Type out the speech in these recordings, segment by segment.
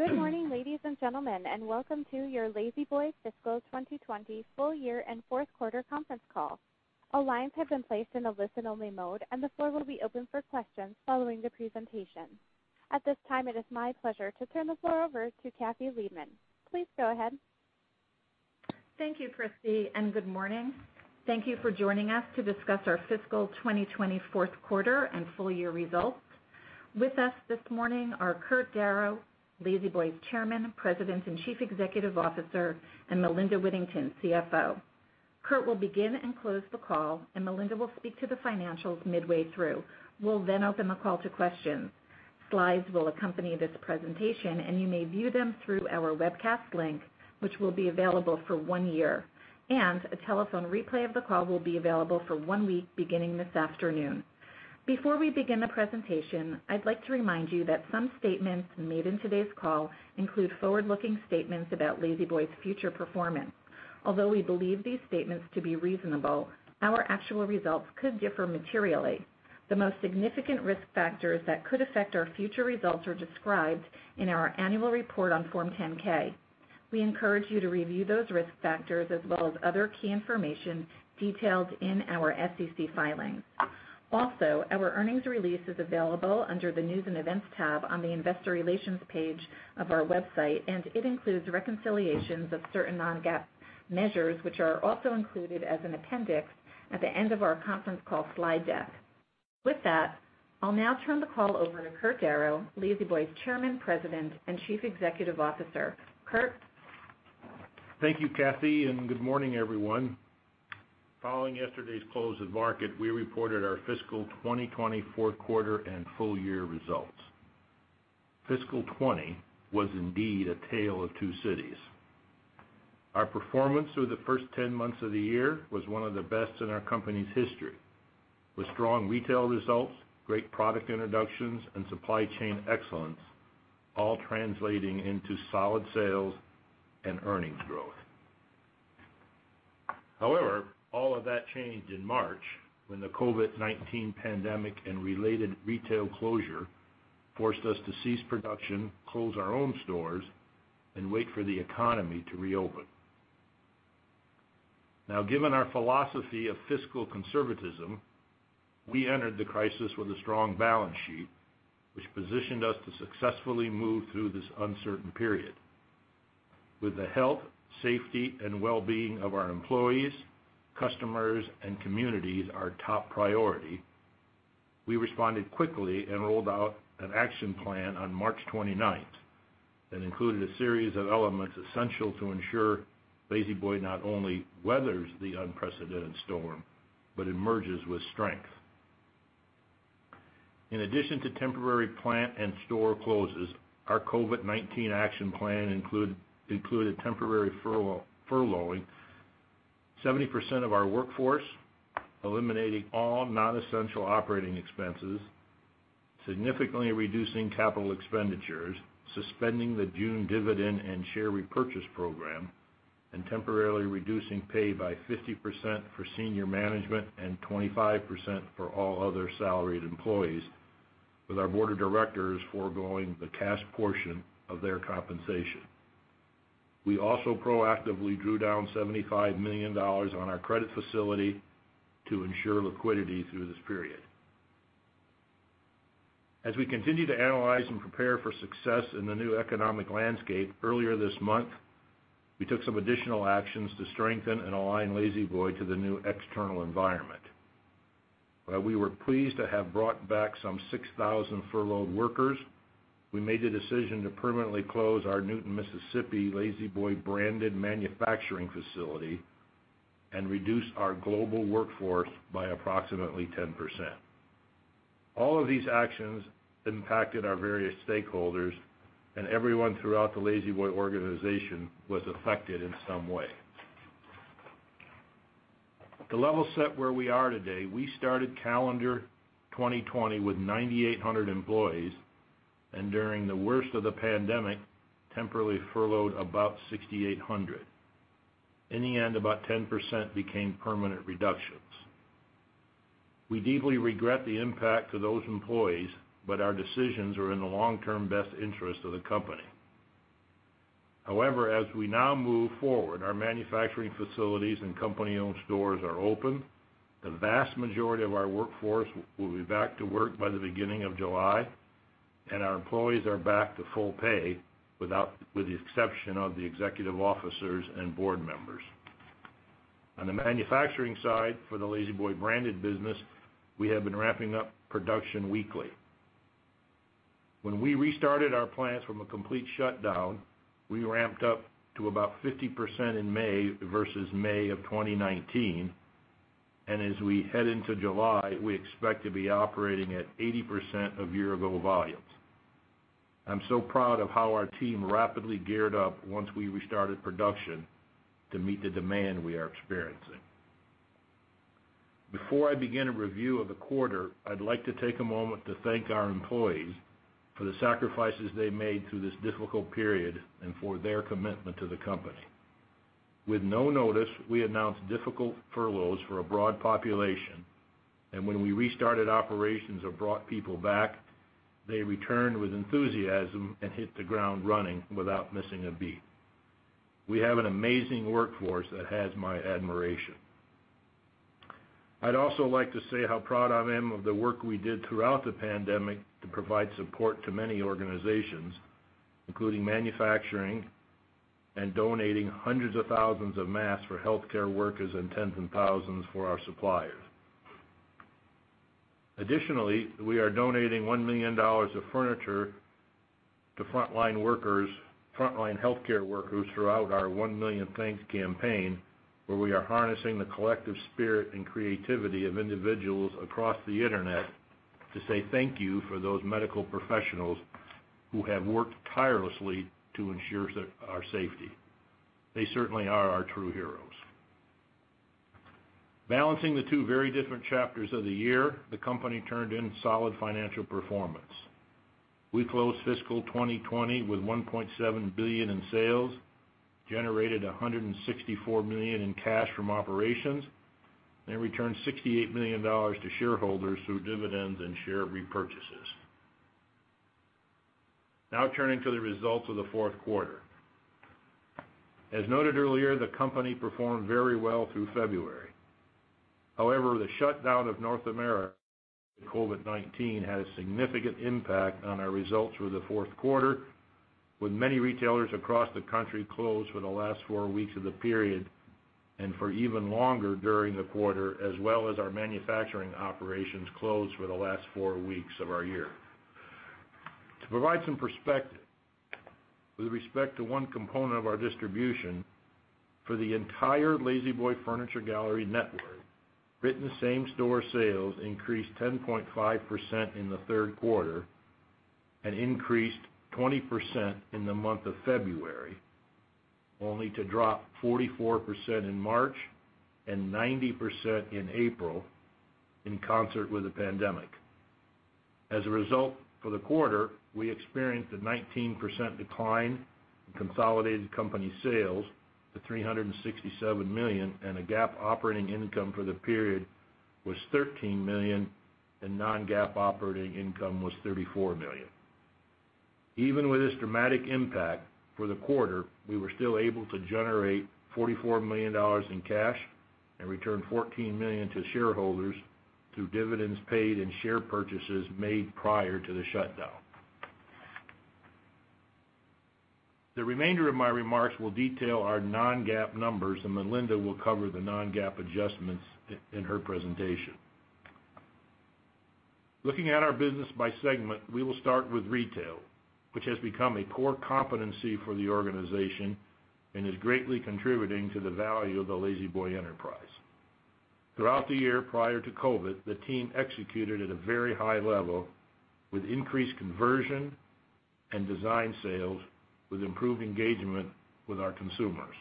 Good morning, ladies and gentlemen, and welcome to your La-Z-Boy fiscal 2020 full year and fourth quarter conference call. All lines have been placed in a listen-only mode, and the floor will be open for questions following the presentation. At this time, it is my pleasure to turn the floor over to Kathy Liebmann. Please go ahead. Thank you, Christy, and good morning. Thank you for joining us to discuss our fiscal 2020 fourth quarter and full-year results. With us this morning are Kurt Darrow, La-Z-Boy's Chairman, President, and Chief Executive Officer, and Melinda Whittington, CFO. Kurt will begin and close the call, and Melinda will speak to the financials midway through. We'll then open the call to questions. Slides will accompany this presentation, and you may view them through our webcast link, which will be available for one year. A telephone replay of the call will be available for one week, beginning this afternoon. Before we begin the presentation, I'd like to remind you that some statements made in today's call include forward-looking statements about La-Z-Boy's future performance. Although we believe these statements to be reasonable, our actual results could differ materially. The most significant risk factors that could affect our future results are described in our annual report on Form 10-K. We encourage you to review those risk factors as well as other key information detailed in our SEC filings. Also, our earnings release is available under the News & Events tab on the Investor Relations page of our website, and it includes reconciliations of certain non-GAAP measures, which are also included as an appendix at the end of our conference call slide deck. With that, I'll now turn the call over to Kurt Darrow, La-Z-Boy's Chairman, President, and Chief Executive Officer. Kurt? Thank you, Kathy. Good morning, everyone. Following yesterday's close of market, we reported our fiscal 2020 fourth quarter and full-year results. Fiscal 2020 was indeed a tale of two cities. Our performance through the first 10 months of the year was one of the best in our company's history, with strong retail results, great product introductions, and supply chain excellence, all translating into solid sales and earnings growth. All of that changed in March when the COVID-19 pandemic and related retail closure forced us to cease production, close our own stores, and wait for the economy to reopen. Given our philosophy of fiscal conservatism, we entered the crisis with a strong balance sheet, which positioned us to successfully move through this uncertain period. With the health, safety, and well-being of our employees, customers, and communities our top priority, we responded quickly and rolled out an action plan on March 29th that included a series of elements essential to ensure La-Z-Boy not only weathers the unprecedented storm, but emerges with strength. In addition to temporary plant and store closes, our COVID-19 action plan included temporary furloughing 70% of our workforce, eliminating all non-essential operating expenses, significantly reducing capital expenditures, suspending the June dividend and share repurchase program, and temporarily reducing pay by 50% for senior management and 25% for all other salaried employees, with our board of directors forgoing the cash portion of their compensation. We also proactively drew down $75 million on our credit facility to ensure liquidity through this period. As we continue to analyze and prepare for success in the new economic landscape, earlier this month, we took some additional actions to strengthen and align La-Z-Boy to the new external environment. While we were pleased to have brought back some 6,000 furloughed workers, we made the decision to permanently close our Newton, Mississippi, La-Z-Boy branded manufacturing facility and reduce our global workforce by approximately 10%. All of these actions impacted our various stakeholders, and everyone throughout the La-Z-Boy organization was affected in some way. To level set where we are today, we started calendar 2020 with 9,800 employees, and during the worst of the pandemic, temporarily furloughed about 6,800. In the end, about 10% became permanent reductions. We deeply regret the impact to those employees, but our decisions were in the long-term best interest of the company. As we now move forward, our manufacturing facilities and company-owned stores are open. The vast majority of our workforce will be back to work by the beginning of July, and our employees are back to full pay with the exception of the executive officers and board members. On the manufacturing side for the La-Z-Boy branded business, we have been ramping up production weekly. When we restarted our plants from a complete shutdown, we ramped up to about 50% in May versus May of 2019, and as we head into July, we expect to be operating at 80% of year-ago volumes. I'm so proud of how our team rapidly geared up once we restarted production to meet the demand we are experiencing. Before I begin a review of the quarter, I'd like to take a moment to thank our employees for the sacrifices they made through this difficult period and for their commitment to the company. With no notice, we announced difficult furloughs for a broad population, and when we restarted operations or brought people back, they returned with enthusiasm and hit the ground running without missing a beat. We have an amazing workforce that has my admiration. I'd also like to say how proud I am of the work we did throughout the pandemic to provide support to many organizations, including manufacturing and donating hundreds of thousands of masks for healthcare workers and tens of thousands for our suppliers. Additionally, we are donating $1 million of furniture to frontline healthcare workers throughout our One Million Thanks campaign, where we are harnessing the collective spirit and creativity of individuals across the internet to say thank you for those medical professionals who have worked tirelessly to ensure our safety. They certainly are our true heroes. Balancing the two very different chapters of the year, the company turned in solid financial performance. We closed fiscal 2020 with $1.7 billion in sales, generated $164 million in cash from operations, and returned $68 million to shareholders through dividends and share repurchases. Now, turning to the results of the fourth quarter. As noted earlier, the company performed very well through February. The shutdown of North America COVID-19 had a significant impact on our results for the fourth quarter, with many retailers across the country closed for the last four weeks of the period, and for even longer during the quarter, as well as our manufacturing operations closed for the last four weeks of our year. To provide some perspective with respect to one component of our distribution, for the entire La-Z-Boy Furniture Gallery network, written same-store sales increased 10.5% in the third quarter and increased 20% in the month of February, only to drop 44% in March and 90% in April in concert with the pandemic. For the quarter, we experienced a 19% decline in consolidated company sales to $367 million and a GAAP operating income for the period was $13 million, and non-GAAP operating income was $34 million. Even with this dramatic impact for the quarter, we were still able to generate $44 million in cash and return $14 million to shareholders through dividends paid and share purchases made prior to the shutdown. The remainder of my remarks will detail our non-GAAP numbers, and Melinda will cover the non-GAAP adjustments in her presentation. Looking at our business by segment, we will start with retail, which has become a core competency for the organization and is greatly contributing to the value of the La-Z-Boy enterprise. Throughout the year prior to COVID, the team executed at a very high level with increased conversion and design sales, with improved engagement with our consumers.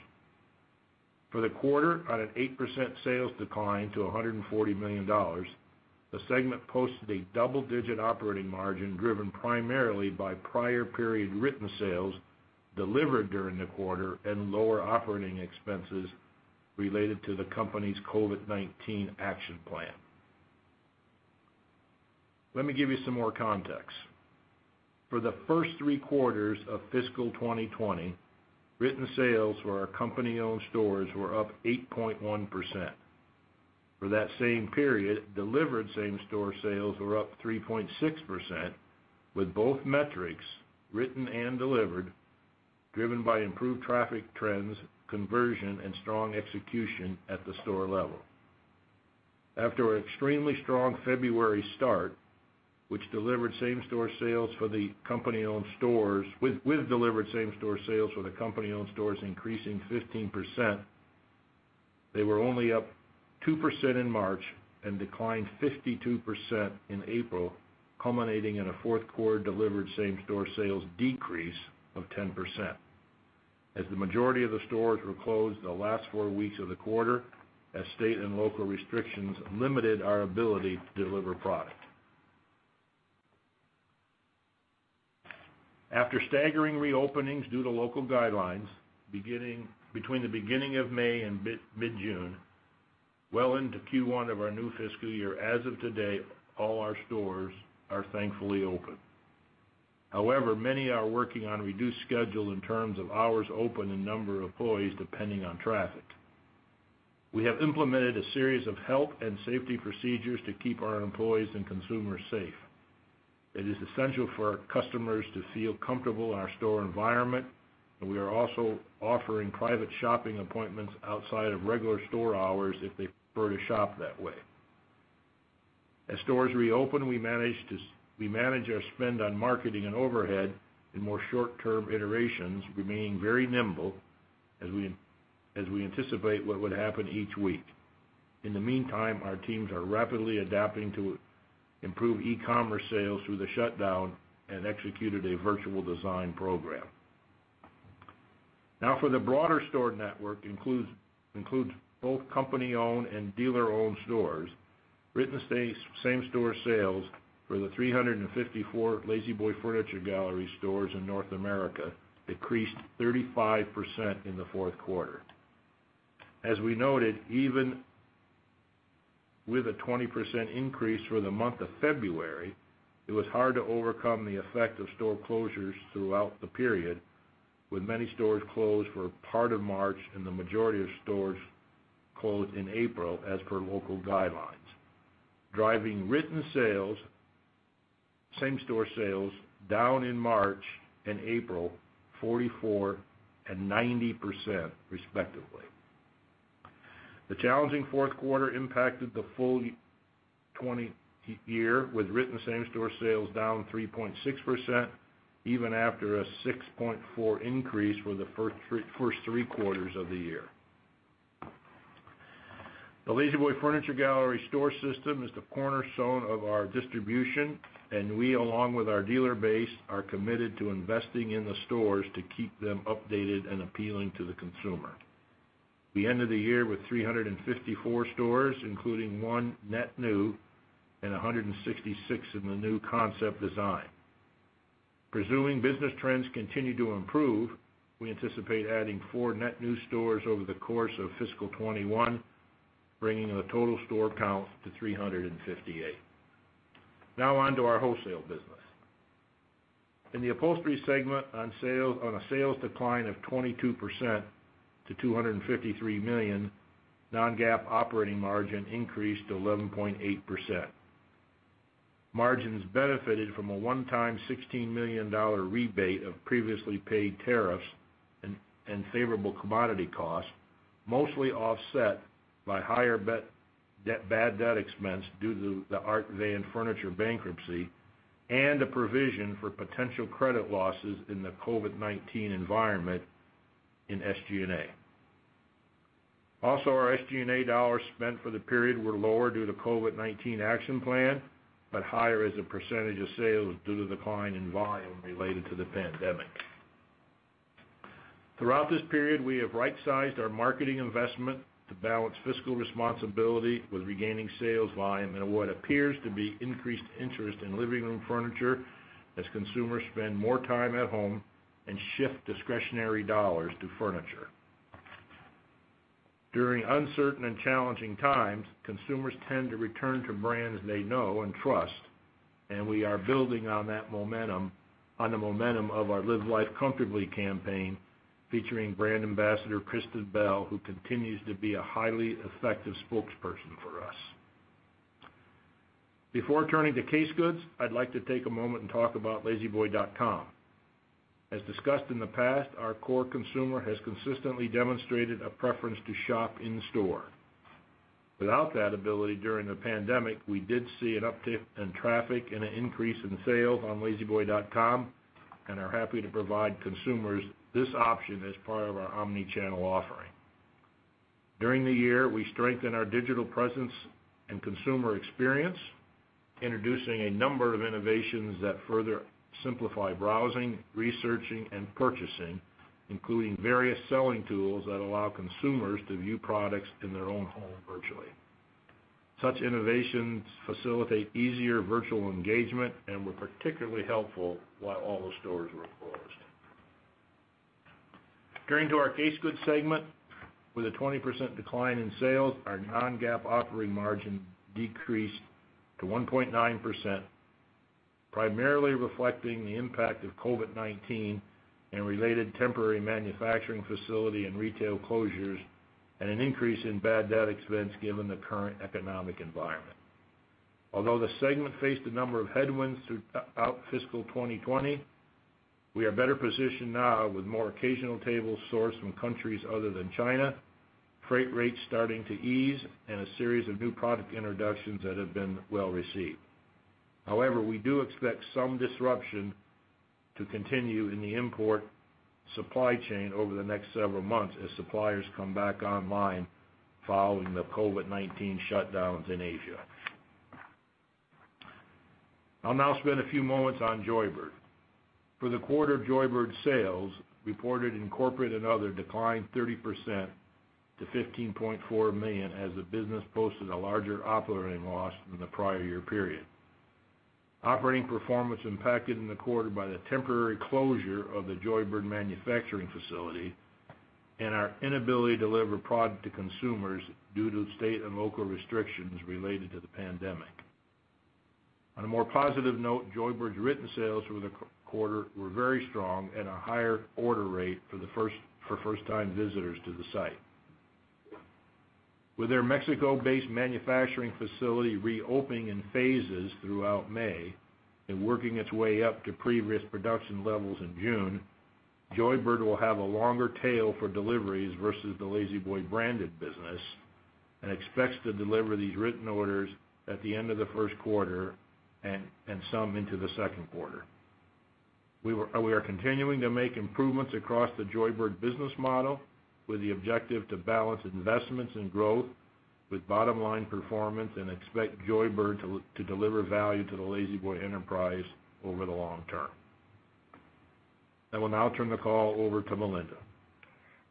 For the quarter, on an 8% sales decline to $140 million, the segment posted a double-digit operating margin driven primarily by prior period written sales delivered during the quarter and lower operating expenses related to the company's COVID-19 action plan. Let me give you some more context. For the first three quarters of fiscal 2020, written sales for our company-owned stores were up 8.1%. For that same period, delivered same-store sales were up 3.6%, with both metrics, written and delivered, driven by improved traffic trends, conversion, and strong execution at the store level. After an extremely strong February start, with delivered same-store sales for the company-owned stores increasing 15%, they were only up 2% in March and declined 52% in April, culminating in a fourth quarter delivered same-store sales decrease of 10%. As the majority of the stores were closed the last four weeks of the quarter, as state and local restrictions limited our ability to deliver product. After staggering reopenings due to local guidelines between the beginning of May and mid-June, well into Q1 of our new fiscal year, as of today, all our stores are thankfully open. However, many are working on a reduced schedule in terms of hours open and number of employees, depending on traffic. We have implemented a series of health and safety procedures to keep our employees and consumers safe. It is essential for our customers to feel comfortable in our store environment, and we are also offering private shopping appointments outside of regular store hours if they prefer to shop that way. As stores reopen, we manage our spend on marketing and overhead in more short-term iterations, remaining very nimble as we anticipate what would happen each week. In the meantime, our teams are rapidly adapting to improve e-commerce sales through the shutdown and executed a virtual design program. For the broader store network, includes both company-owned and dealer-owned stores. Written same-store sales for the 354 La-Z-Boy Furniture Gallery stores in North America decreased 35% in the fourth quarter. As we noted, even with a 20% increase for the month of February, it was hard to overcome the effect of store closures throughout the period, with many stores closed for part of March and the majority of stores closed in April as per local guidelines, driving written same-store sales down in March and April 44% and 90% respectively. The challenging fourth quarter impacted the full 2020 year, with written same-store sales down 3.6%, even after a 6.4% increase for the first three quarters of the year. The La-Z-Boy Furniture Gallery store system is the cornerstone of our distribution, and we, along with our dealer base, are committed to investing in the stores to keep them updated and appealing to the consumer. We ended the year with 354 stores, including one net new and 166 in the new concept design. Presuming business trends continue to improve, we anticipate adding four net new stores over the course of fiscal 2021, bringing the total store count to 358. Now on to our wholesale business. In the Upholstery segment, on a sales decline of 22% to $253 million, non-GAAP operating margin increased to 11.8%. Margins benefited from a one-time $16 million rebate of previously paid tariffs and favorable commodity costs, mostly offset by higher bad debt expense due to the Art Van Furniture bankruptcy and a provision for potential credit losses in the COVID-19 environment in SG&A. Our SG&A dollars spent for the period were lower due to COVID-19 action plan, but higher as a percentage of sales due to decline in volume related to the pandemic. Throughout this period, we have right-sized our marketing investment to balance fiscal responsibility with regaining sales volume and what appears to be increased interest in living room furniture as consumers spend more time at home and shift discretionary dollars to furniture. During uncertain and challenging times, consumers tend to return to brands they know and trust, and we are building on the momentum of our Live Life Comfortably campaign, featuring brand ambassador Kristen Bell, who continues to be a highly effective spokesperson for us. Before turning to case goods, I'd like to take a moment and talk about la-z-boy.com. As discussed in the past, our core consumer has consistently demonstrated a preference to shop in-store. Without that ability during the pandemic, we did see an uptick in traffic and an increase in sales on la-z-boy.com, and are happy to provide consumers this option as part of our omni-channel offering. During the year, we strengthened our digital presence and consumer experience, introducing a number of innovations that further simplify browsing, researching, and purchasing, including various selling tools that allow consumers to view products in their own home virtually. Such innovations facilitate easier virtual engagement and were particularly helpful while all the stores were closed. Turning to our case goods segment. With a 20% decline in sales, our non-GAAP operating margin decreased to 1.9%, primarily reflecting the impact of COVID-19 and related temporary manufacturing facility and retail closures, and an increase in bad debt expense given the current economic environment. Although the segment faced a number of headwinds throughout fiscal 2020, we are better positioned now with more occasional tables sourced from countries other than China, freight rates starting to ease, and a series of new product introductions that have been well-received. However, we do expect some disruption to continue in the import supply chain over the next several months as suppliers come back online following the COVID-19 shutdowns in Asia. I'll now spend a few moments on Joybird. For the quarter, Joybird sales reported in corporate and other declined 30% to $15.4 million as the business posted a larger operating loss than the prior year period. Operating performance impacted in the quarter by the temporary closure of the Joybird manufacturing facility and our inability to deliver product to consumers due to state and local restrictions related to the pandemic. On a more positive note, Joybird's written sales for the quarter were very strong and a higher order rate for first-time visitors to the site. With their Mexico-based manufacturing facility reopening in phases throughout May and working its way up to pre-risk production levels in June, Joybird will have a longer tail for deliveries versus the La-Z-Boy branded business and expects to deliver these written orders at the end of the first quarter and some into the second quarter. We are continuing to make improvements across the Joybird business model with the objective to balance investments and growth with bottom-line performance and expect Joybird to deliver value to the La-Z-Boy enterprise over the long term. I will now turn the call over to Melinda.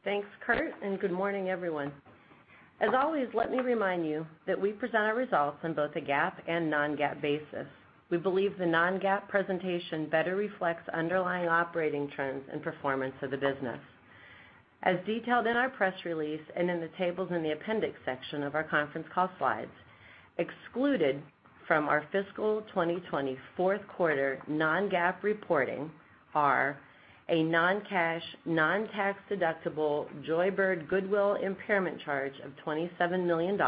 Thanks, Kurt, and good morning, everyone. As always, let me remind you that we present our results on both a GAAP and non-GAAP basis. We believe the non-GAAP presentation better reflects underlying operating trends and performance of the business. As detailed in our press release and in the tables in the appendix section of our conference call slides, excluded from our fiscal 2020 fourth quarter non-GAAP reporting are a non-cash, non-tax deductible Joybird goodwill impairment charge of $27 million,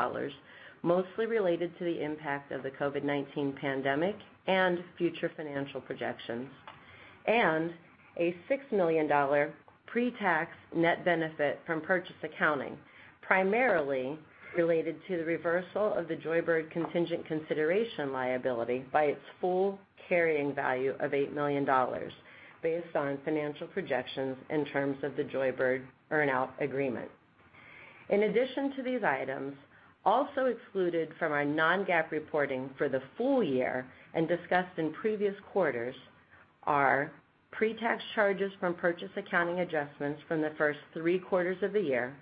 mostly related to the impact of the COVID-19 pandemic and future financial projections, and a $6 million pre-tax net benefit from purchase accounting, primarily related to the reversal of the Joybird contingent consideration liability by its full carrying value of $8 million based on financial projections in terms of the Joybird earn-out agreement. In addition to these items, also excluded from our non-GAAP reporting for the full year and discussed in previous quarters are pre-tax charges from purchase accounting adjustments from the first three quarters of the year,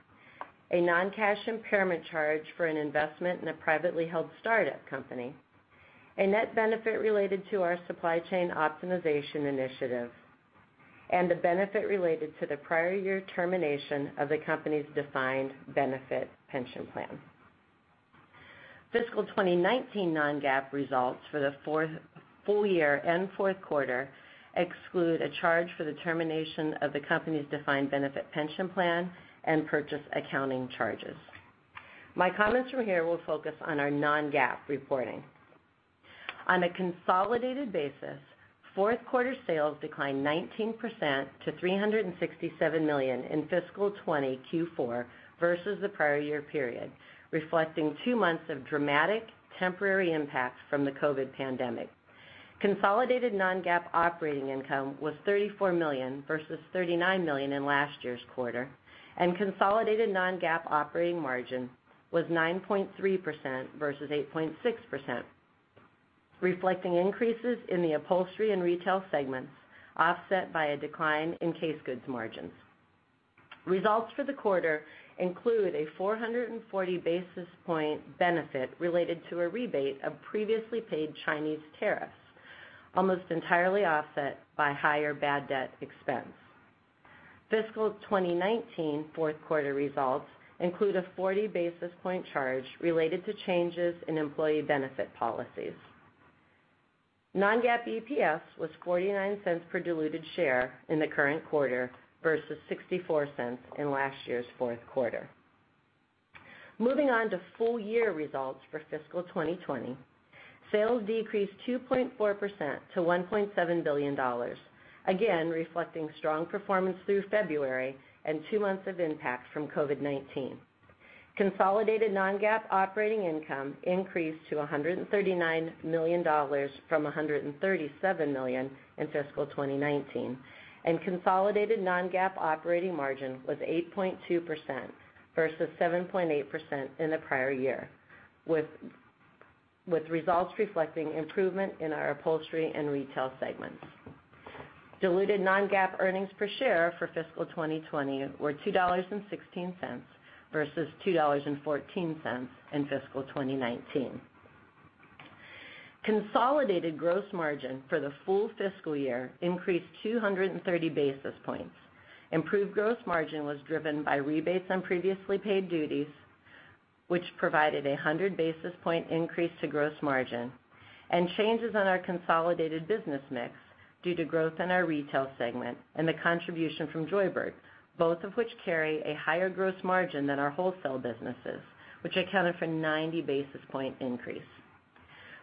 a non-cash impairment charge for an investment in a privately held startup company, a net benefit related to our supply chain optimization initiative, and the benefit related to the prior year termination of the company's defined benefit pension plan. Fiscal 2019 non-GAAP results for the full year and fourth quarter exclude a charge for the termination of the company's defined benefit pension plan and purchase accounting charges. My comments from here will focus on our non-GAAP reporting. On a consolidated basis, fourth quarter sales declined 19% to $367 million in fiscal 2020 versus the prior year period, reflecting two months of dramatic temporary impacts from the COVID-19 pandemic. Consolidated non-GAAP operating income was $34 million versus $39 million in last year's quarter, and consolidated non-GAAP operating margin was 9.3% versus 8.6%, reflecting increases in the Upholstery and Retail segments, offset by a decline in Case goods margins. Results for the quarter include a 440 basis point benefit related to a rebate of previously paid Chinese tariffs, almost entirely offset by higher bad debt expense. fiscal 2019 fourth quarter results include a 40 basis point charge related to changes in employee benefit policies. Non-GAAP EPS was $0.49 per diluted share in the current quarter versus $0.64 in last year's fourth quarter. Moving on to full year results for fiscal 2020. Sales decreased 2.4% to $1.7 billion, again reflecting strong performance through February and two months of impact from COVID-19. Consolidated non-GAAP operating income increased to $139 million from $137 million in fiscal 2019, and consolidated non-GAAP operating margin was 8.2% versus 7.8% in the prior year, with results reflecting improvement in our Upholstery and Retail segments. Diluted non-GAAP earnings per share for fiscal 2020 were $2.16 versus $2.14 in fiscal 2019. Consolidated gross margin for the full fiscal year increased 230 basis points. Improved gross margin was driven by rebates on previously paid duties, which provided a 100 basis point increase to gross margin and changes on our consolidated business mix due to growth in our Retail segment and the contribution from Joybird, both of which carry a higher gross margin than our wholesale businesses, which accounted for 90 basis point increase.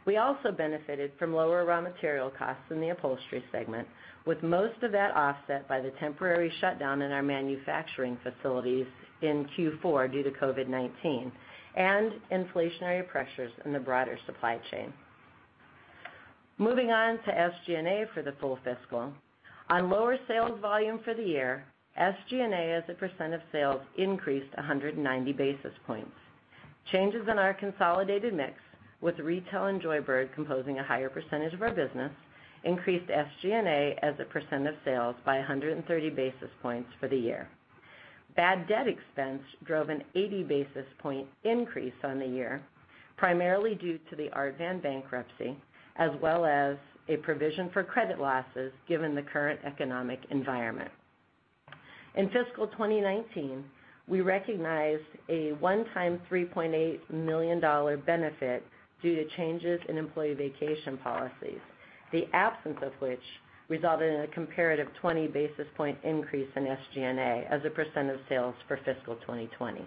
We also benefited from lower raw material costs in the Upholstery segment, with most of that offset by the temporary shutdown in our manufacturing facilities in Q4 due to COVID-19 and inflationary pressures in the broader supply chain. Moving on to SG&A for the full fiscal. On lower sales volume for the year, SG&A as a percent of sales increased 190 basis points. Changes in our consolidated mix, with Retail and Joybird composing a higher percentage of our business, increased SG&A as a percent of sales by 130 basis points for the year. Bad debt expense drove an 80 basis point increase on the year, primarily due to the Art Van bankruptcy, as well as a provision for credit losses, given the current economic environment. In fiscal 2019, we recognized a one-time $3.8 million benefit due to changes in employee vacation policies, the absence of which resulted in a comparative 20 basis point increase in SG&A as a percent of sales for fiscal 2020.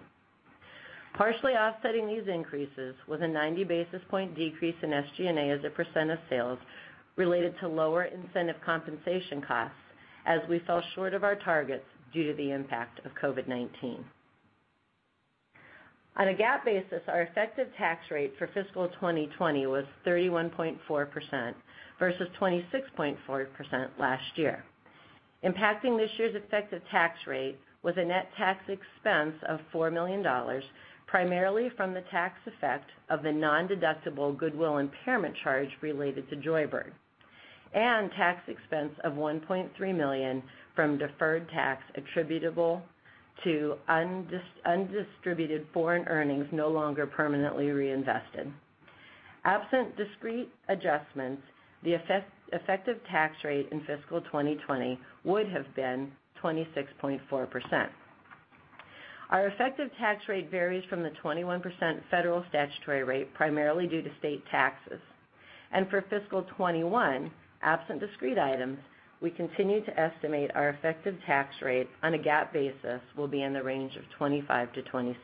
Partially offsetting these increases was a 90 basis point decrease in SG&A as a percent of sales related to lower incentive compensation costs as we fell short of our targets due to the impact of COVID-19. On a GAAP basis, our effective tax rate for fiscal 2020 was 31.4% versus 26.4% last year. Impacting this year's effective tax rate was a net tax expense of $4 million, primarily from the tax effect of the non-deductible goodwill impairment charge related to Joybird. Tax expense of $1.3 million from deferred tax attributable to undistributed foreign earnings no longer permanently reinvested. Absent discrete adjustments, the effective tax rate in fiscal 2020 would have been 26.4%. Our effective tax rate varies from the 21% federal statutory rate primarily due to state taxes. For fiscal 2021, absent discrete items, we continue to estimate our effective tax rate on a GAAP basis will be in the range of 25%-26%.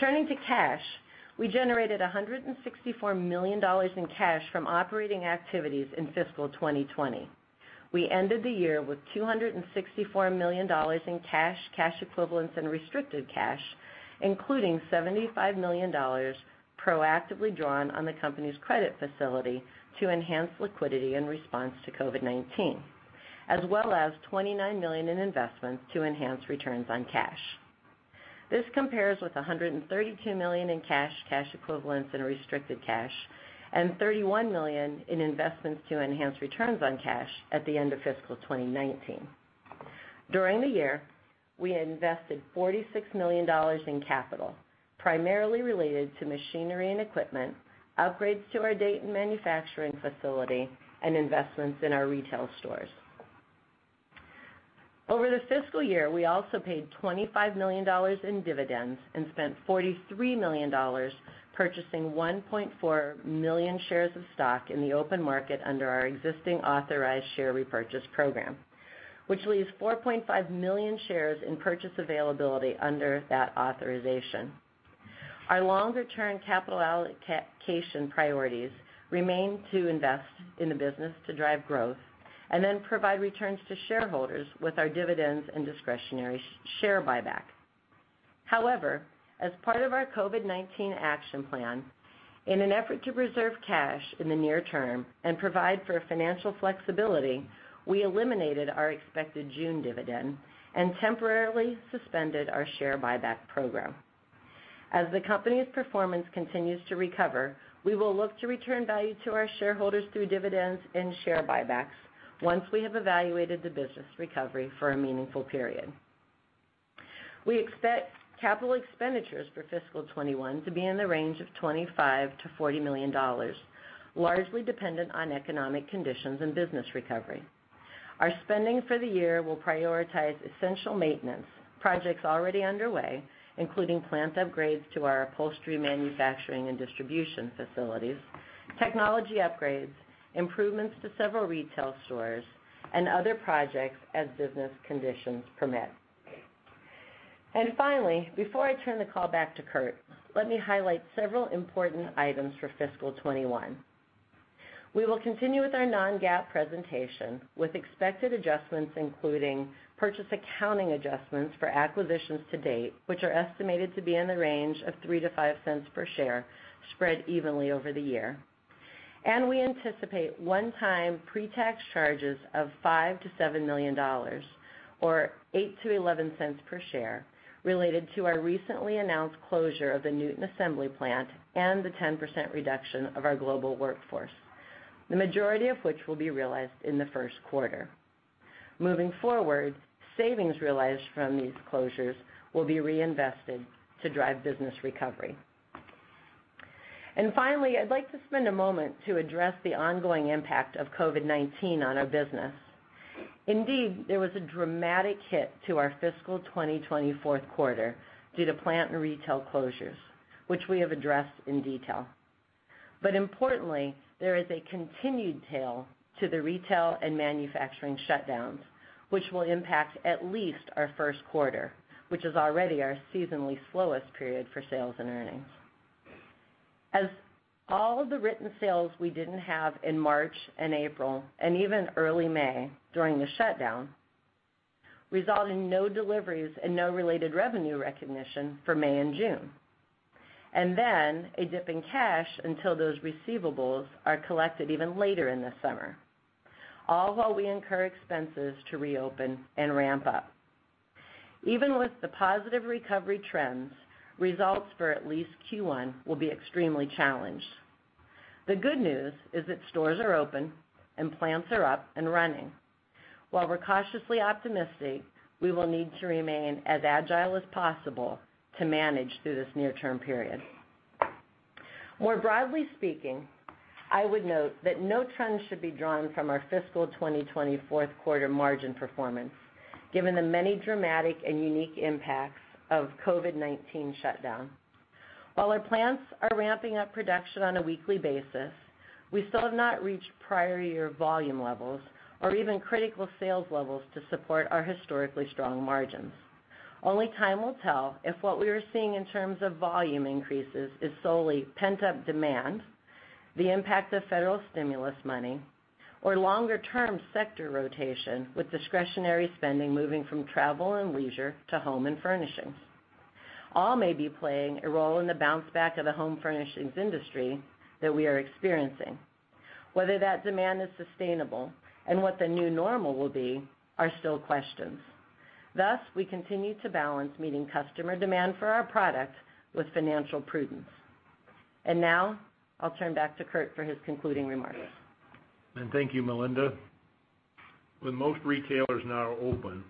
Turning to cash, we generated $164 million in cash from operating activities in fiscal 2020. We ended the year with $264 million in cash equivalents, and restricted cash, including $75 million proactively drawn on the company's credit facility to enhance liquidity in response to COVID-19, as well as $29 million in investments to enhance returns on cash. This compares with $132 million in cash equivalents, and restricted cash, and $31 million in investments to enhance returns on cash at the end of fiscal 2019. During the year, we invested $46 million in capital, primarily related to machinery and equipment, upgrades to our Dayton manufacturing facility, and investments in our retail stores. Over the fiscal year, we also paid $25 million in dividends and spent $43 million purchasing 1.4 million shares of stock in the open market under our existing authorized share repurchase program, which leaves 4.5 million shares in purchase availability under that authorization. Our longer-term capital allocation priorities remain to invest in the business to drive growth, and then provide returns to shareholders with our dividends and discretionary share buyback. However, as part of our COVID-19 action plan, in an effort to preserve cash in the near term and provide for financial flexibility, we eliminated our expected June dividend and temporarily suspended our share buyback program. As the company's performance continues to recover, we will look to return value to our shareholders through dividends and share buybacks once we have evaluated the business recovery for a meaningful period. We expect capital expenditures for fiscal 2021 to be in the range of $25 million-$40 million, largely dependent on economic conditions and business recovery. Our spending for the year will prioritize essential maintenance, projects already underway, including plant upgrades to our Upholstery manufacturing and distribution facilities, technology upgrades, improvements to several retail stores, and other projects as business conditions permit. Finally, before I turn the call back to Kurt, let me highlight several important items for fiscal 2021. We will continue with our non-GAAP presentation, with expected adjustments including purchase accounting adjustments for acquisitions to date, which are estimated to be in the range of $0.03-$0.05 per share, spread evenly over the year. We anticipate one-time pre-tax charges of $5 million-$7 million, or $0.08-$0.11 per share, related to our recently announced closure of the Newton assembly plant and the 10% reduction of our global workforce, the majority of which will be realized in the first quarter. Moving forward, savings realized from these closures will be reinvested to drive business recovery. Finally, I'd like to spend a moment to address the ongoing impact of COVID-19 on our business. Indeed, there was a dramatic hit to our fiscal 2020 fourth quarter due to plant and retail closures, which we have addressed in detail. Importantly, there is a continued tail to the retail and manufacturing shutdowns, which will impact at least our first quarter, which is already our seasonally slowest period for sales and earnings. As all of the written sales we didn't have in March and April, and even early May during the shutdown, result in no deliveries and no related revenue recognition for May and June. Then a dip in cash until those receivables are collected even later in the summer, all while we incur expenses to reopen and ramp up. Even with the positive recovery trends, results for at least Q1 will be extremely challenged. The good news is that stores are open and plants are up and running. While we're cautiously optimistic, we will need to remain as agile as possible to manage through this near-term period. More broadly speaking, I would note that no trends should be drawn from our fiscal 2020 fourth quarter margin performance, given the many dramatic and unique impacts of COVID-19 shutdown. While our plants are ramping up production on a weekly basis, we still have not reached prior year volume levels or even critical sales levels to support our historically strong margins. Only time will tell if what we are seeing in terms of volume increases is solely pent-up demand, the impact of federal stimulus money, or longer-term sector rotation with discretionary spending moving from travel and leisure to home and furnishings. All may be playing a role in the bounce back of the home furnishings industry that we are experiencing. Whether that demand is sustainable and what the new normal will be are still questions. Thus, we continue to balance meeting customer demand for our product with financial prudence. Now I'll turn back to Kurt for his concluding remarks. Thank you, Melinda. With most retailers now open,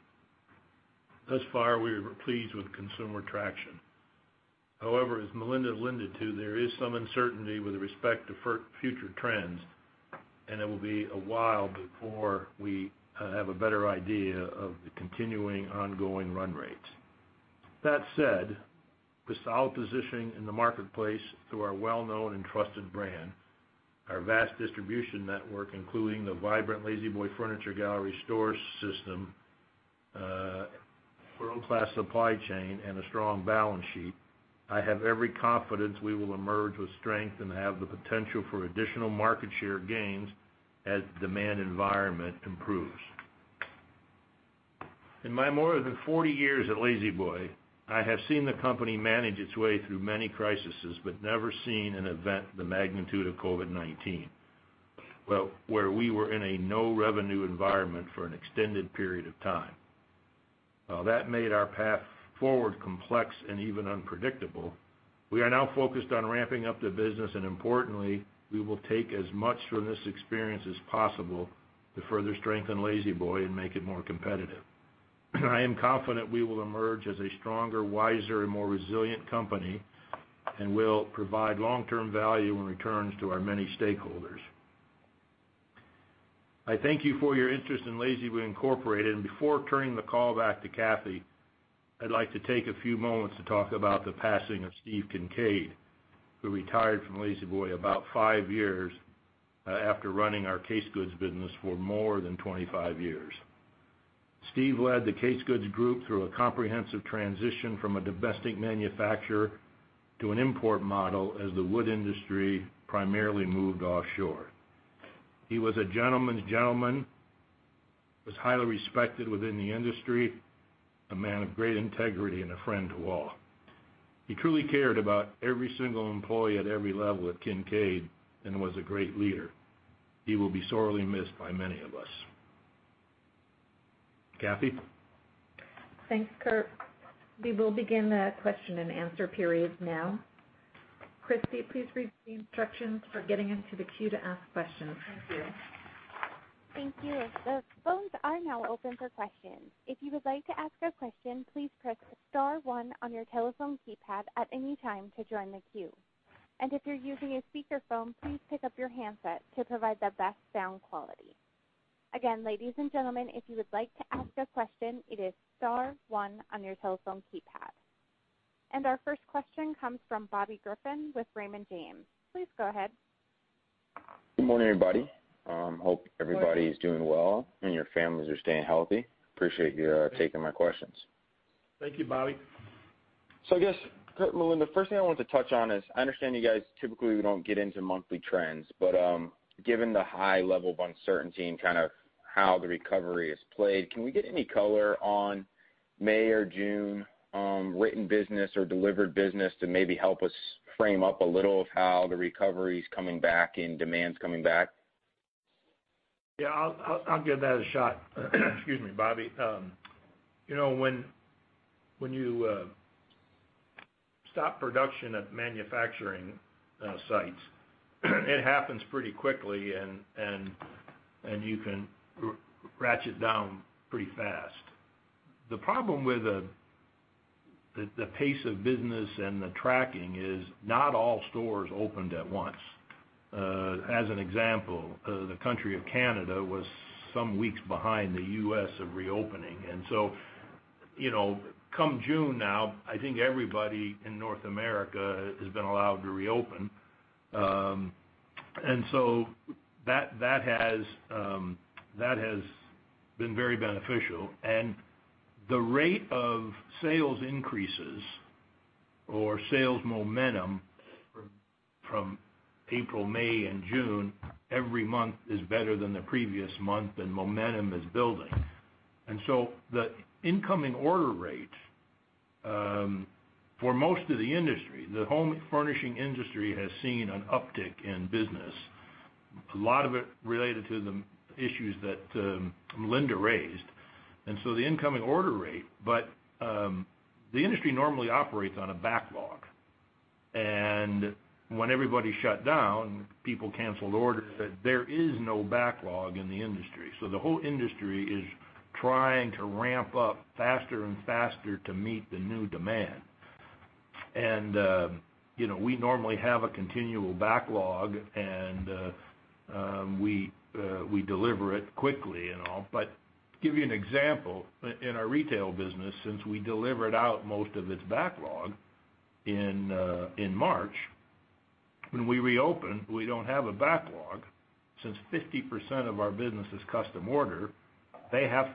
thus far, we were pleased with consumer traction. However, as Melinda alluded to, there is some uncertainty with respect to future trends, and it will be a while before we have a better idea of the continuing ongoing run rates. That said, the solid positioning in the marketplace through our well-known and trusted brand, our vast distribution network, including the vibrant La-Z-Boy Furniture Gallery store system, world-class supply chain, and a strong balance sheet, I have every confidence we will emerge with strength and have the potential for additional market share gains as the demand environment improves. In my more than 40 years at La-Z-Boy, I have seen the company manage its way through many crises, but never seen an event the magnitude of COVID-19, where we were in a no-revenue environment for an extended period of time. While that made our path forward complex and even unpredictable, we are now focused on ramping up the business, and importantly, we will take as much from this experience as possible to further strengthen La-Z-Boy and make it more competitive. I am confident we will emerge as a stronger, wiser, and more resilient company, and will provide long-term value and returns to our many stakeholders. I thank you for your interest in La-Z-Boy Incorporated. Before turning the call back to Kathy, I'd like to take a few moments to talk about the passing of Steve Kincaid, who retired from La-Z-Boy about five years after running our case goods business for more than 25 years. Steve led the case goods group through a comprehensive transition from a domestic manufacturer to an import model as the wood industry primarily moved offshore. He was a gentleman's gentleman, was highly respected within the industry, a man of great integrity and a friend to all. He truly cared about every single employee at every level at Kincaid and was a great leader. He will be sorely missed by many of us. Kathy? Thanks, Kurt. We will begin the question-and-answer period now. Christy, please read the instructions for getting into the queue to ask questions. Thank you. Thank you. The phones are now open for questions. If you would like to ask a question, please press star one on your telephone keypad at any time to join the queue. If you're using a speakerphone, please pick up your handset to provide the best sound quality. Again, ladies and gentlemen, if you would like to ask a question, it is star one on your telephone keypad. Our first question comes from Bobby Griffin with Raymond James. Please go ahead. Good morning, everybody- Morning is doing well and your families are staying healthy. Appreciate you taking my questions. Thank you, Bobby. I guess, Kurt, Melinda, the first thing I wanted to touch on is, I understand you guys typically don't get into monthly trends, but given the high level of uncertainty and kind of how the recovery has played, can we get any color on May or June written business or delivered business to maybe help us frame up a little of how the recovery's coming back and demand's coming back? Yeah, I'll give that a shot. Excuse me, Bobby. When you stop production at manufacturing sites, it happens pretty quickly, and you can ratchet down pretty fast. The problem with the pace of business and the tracking is not all stores opened at once. As an example, the country of Canada was some weeks behind the U.S. of reopening. Come June now, I think everybody in North America has been allowed to reopen. That has been very beneficial. The rate of sales increases or sales momentum from April, May, and June, every month is better than the previous month, and momentum is building. The incoming order rate for most of the industry, the home furnishing industry has seen an uptick in business, a lot of it related to the issues that Melinda raised. The industry normally operates on a backlog, and when everybody shut down, people canceled orders. There is no backlog in the industry. The whole industry is trying to ramp up faster and faster to meet the new demand. We normally have a continual backlog, and we deliver it quickly and all. Give you an example. In our retail business, since we delivered out most of its backlog in March, when we reopened, we don't have a backlog since 50% of our business is custom order. They have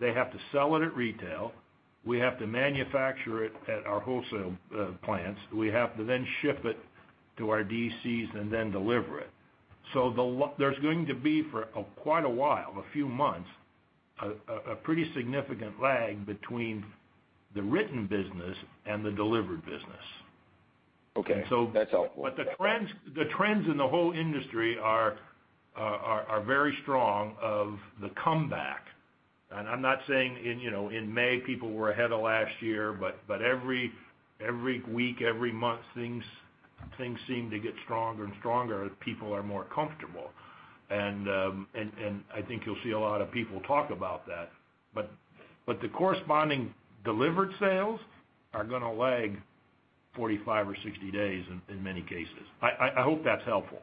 to sell it at retail. We have to manufacture it at our wholesale plants. We have to then ship it to our DCs and then deliver it. There's going to be for quite a while, a few months, a pretty significant lag between the written business and the delivered business. Okay. That's helpful. The trends in the whole industry are very strong of the comeback. I'm not saying in May people were ahead of last year, but every week, every month, things seem to get stronger and stronger as people are more comfortable. I think you'll see a lot of people talk about that. The corresponding delivered sales are going to lag 45 or 60 days in many cases. I hope that's helpful.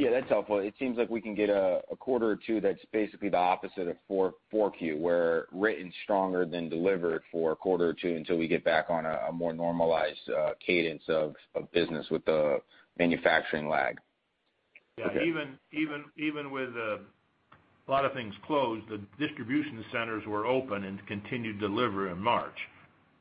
Yeah, that's helpful. It seems like we can get a quarter or two that's basically the opposite of 4Q, where written stronger than delivered for a quarter or two until we get back on a more normalized cadence of business with the manufacturing lag. Yeah. Even with a lot of things closed, the distribution centers were open and continued delivery in March.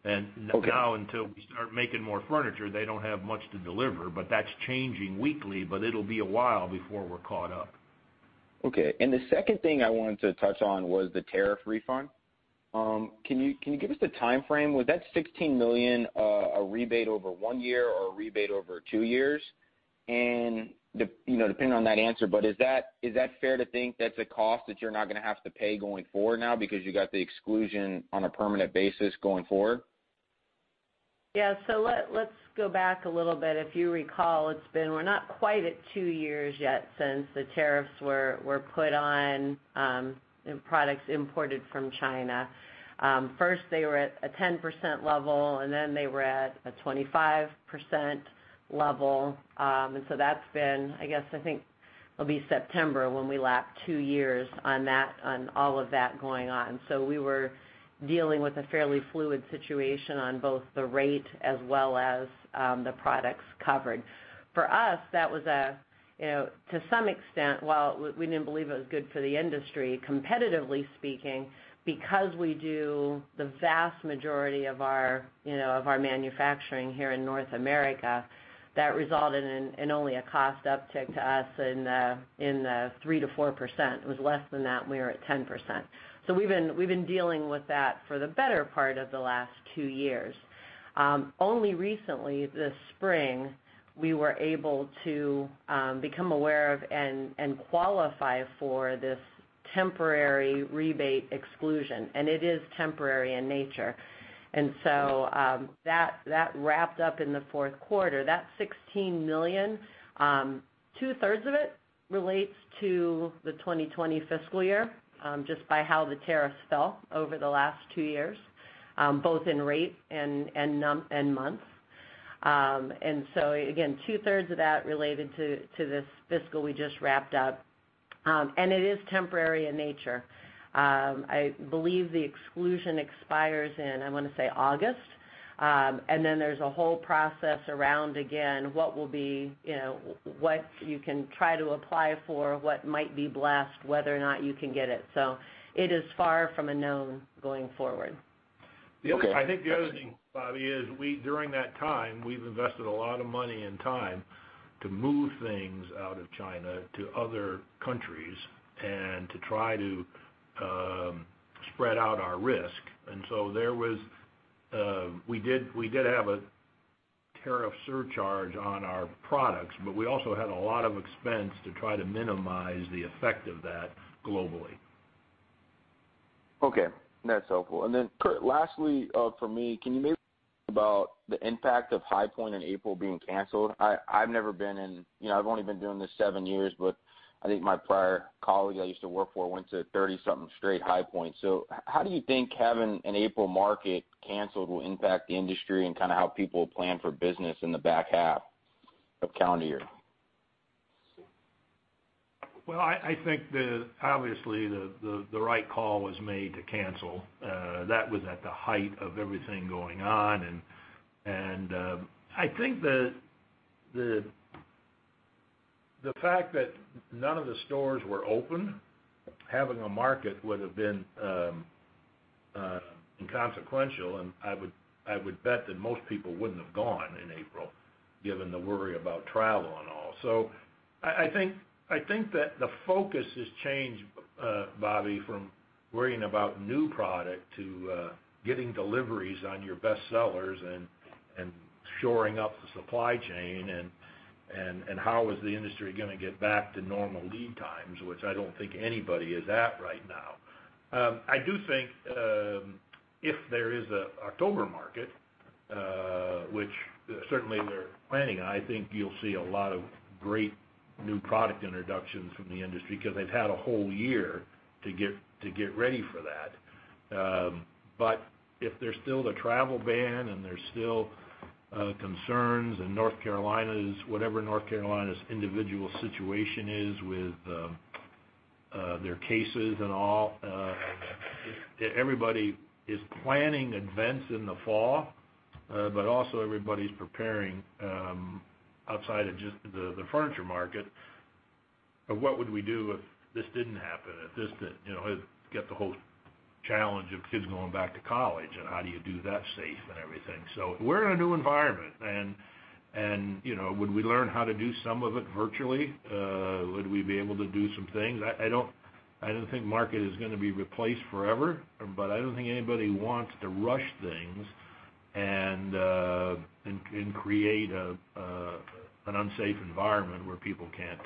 Okay. Now until we start making more furniture, they don't have much to deliver, but that's changing weekly, but it'll be a while before we're caught up. Okay. The second thing I wanted to touch on was the tariff refund. Can you give us a timeframe? Was that $16 million a rebate over one year or a rebate over two years? Depending on that answer, is that fair to think that's a cost that you're not going to have to pay going forward now because you got the exclusion on a permanent basis going forward? Let's go back a little bit. If you recall, we're not quite at two years yet since the tariffs were put on products imported from China. First, they were at a 10% level, and then they were at a 25% level. That's been, I guess, I think it'll be September when we lap two years on all of that going on. We were dealing with a fairly fluid situation on both the rate as well as the products covered. For us, that was to some extent, while we didn't believe it was good for the industry, competitively speaking, because we do the vast majority of our manufacturing here in North America, that resulted in only a cost uptick to us in the 3%-4%. It was less than that when we were at 10%. We've been dealing with that for the better part of the last two years. Only recently this spring, we were able to become aware of and qualify for this temporary rebate exclusion, and it is temporary in nature. That wrapped up in the fourth quarter. That $16 million, two-thirds of it relates to the 2020 fiscal year just by how the tariffs fell over the last two years, both in rate and months. Again, two-thirds of that related to this fiscal we just wrapped up. It is temporary in nature. I believe the exclusion expires in, I want to say August. There's a whole process around, again, what you can try to apply for, what might be blessed, whether or not you can get it. It is far from a known going forward. Okay. I think the other thing, Bobby, is during that time, we've invested a lot of money and time to move things out of China to other countries and to try to spread out our risk. We did have a tariff surcharge on our products, but we also had a lot of expense to try to minimize the effect of that globally. Okay. That's helpful. Lastly for me, can you maybe about the impact of High Point in April being canceled? I've only been doing this seven years, but I think my prior colleague I used to work for went to 30-something straight High Point. How do you think having an April market canceled will impact the industry and kind of how people plan for business in the back half of calendar year? Well, I think obviously the right call was made to cancel. That was at the height of everything going on. I think the fact that none of the stores were open, having a market would have been inconsequential, and I would bet that most people wouldn't have gone in April, given the worry about travel and all. I think that the focus has changed, Bobby, from worrying about new product to getting deliveries on your best sellers and shoring up the supply chain and how is the industry going to get back to normal lead times, which I don't think anybody is at right now. I do think if there is an October market, which certainly they're planning on, I think you'll see a lot of great new product introductions from the industry because they've had a whole year to get ready for that. If there's still the travel ban and there's still concerns and whatever North Carolina's individual situation is with their cases and all, everybody is planning events in the fall, but also everybody's preparing outside of just the furniture market of what would we do if this didn't happen, you get the whole challenge of kids going back to college and how do you do that safe and everything. We're in a new environment. Would we learn how to do some of it virtually? Would we be able to do some things? I don't think market is going to be replaced forever, but I don't think anybody wants to rush things and create an unsafe environment where people can't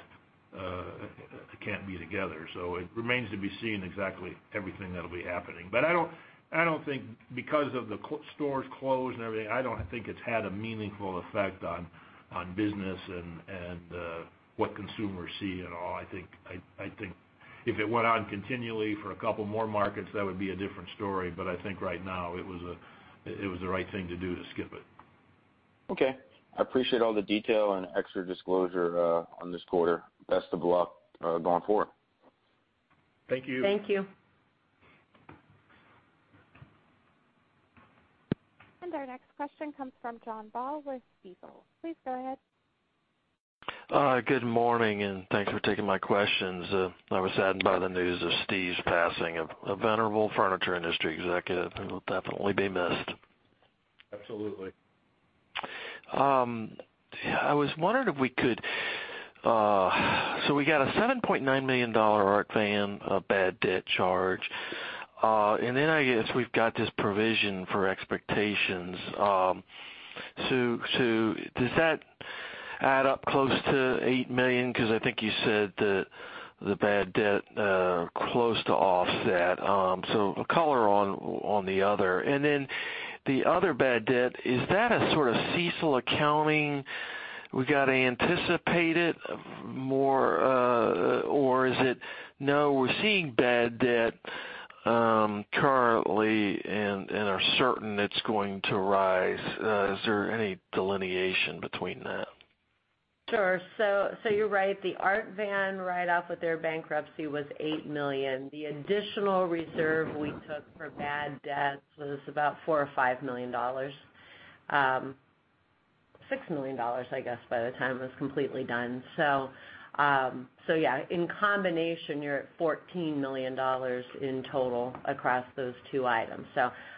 be together. It remains to be seen exactly everything that'll be happening. I don't think because of the stores closed and everything, I don't think it's had a meaningful effect on business and what consumers see at all. I think if it went on continually for a couple more markets, that would be a different story. I think right now it was the right thing to do to skip it. Okay. I appreciate all the detail and extra disclosure on this quarter. Best of luck going forward. Thank you. Thank you. Our next question comes from John Baugh with Stifel. Please go ahead. Good morning, and thanks for taking my questions. I was saddened by the news of Steve's passing. A venerable furniture industry executive who will definitely be missed. Absolutely. We got a $7.9 million Art Van bad debt charge. Then I guess we've got this provision for expectations. Does that add up close to $8 million? Because I think you said that the bad debt close to offset. Color on the other. Then the other bad debt, is that a sort of CECL accounting, we got to anticipate it more, or is it, "No, we're seeing bad debt currently and are certain it's going to rise"? Is there any delineation between that? Sure. You're right. The Art Van write-off with their bankruptcy was $8 million. The additional reserve we took for bad debts was about $4 million or $5 million. $6 million, I guess, by the time it was completely done. Yeah, in combination, you're at $14 million in total across those two items.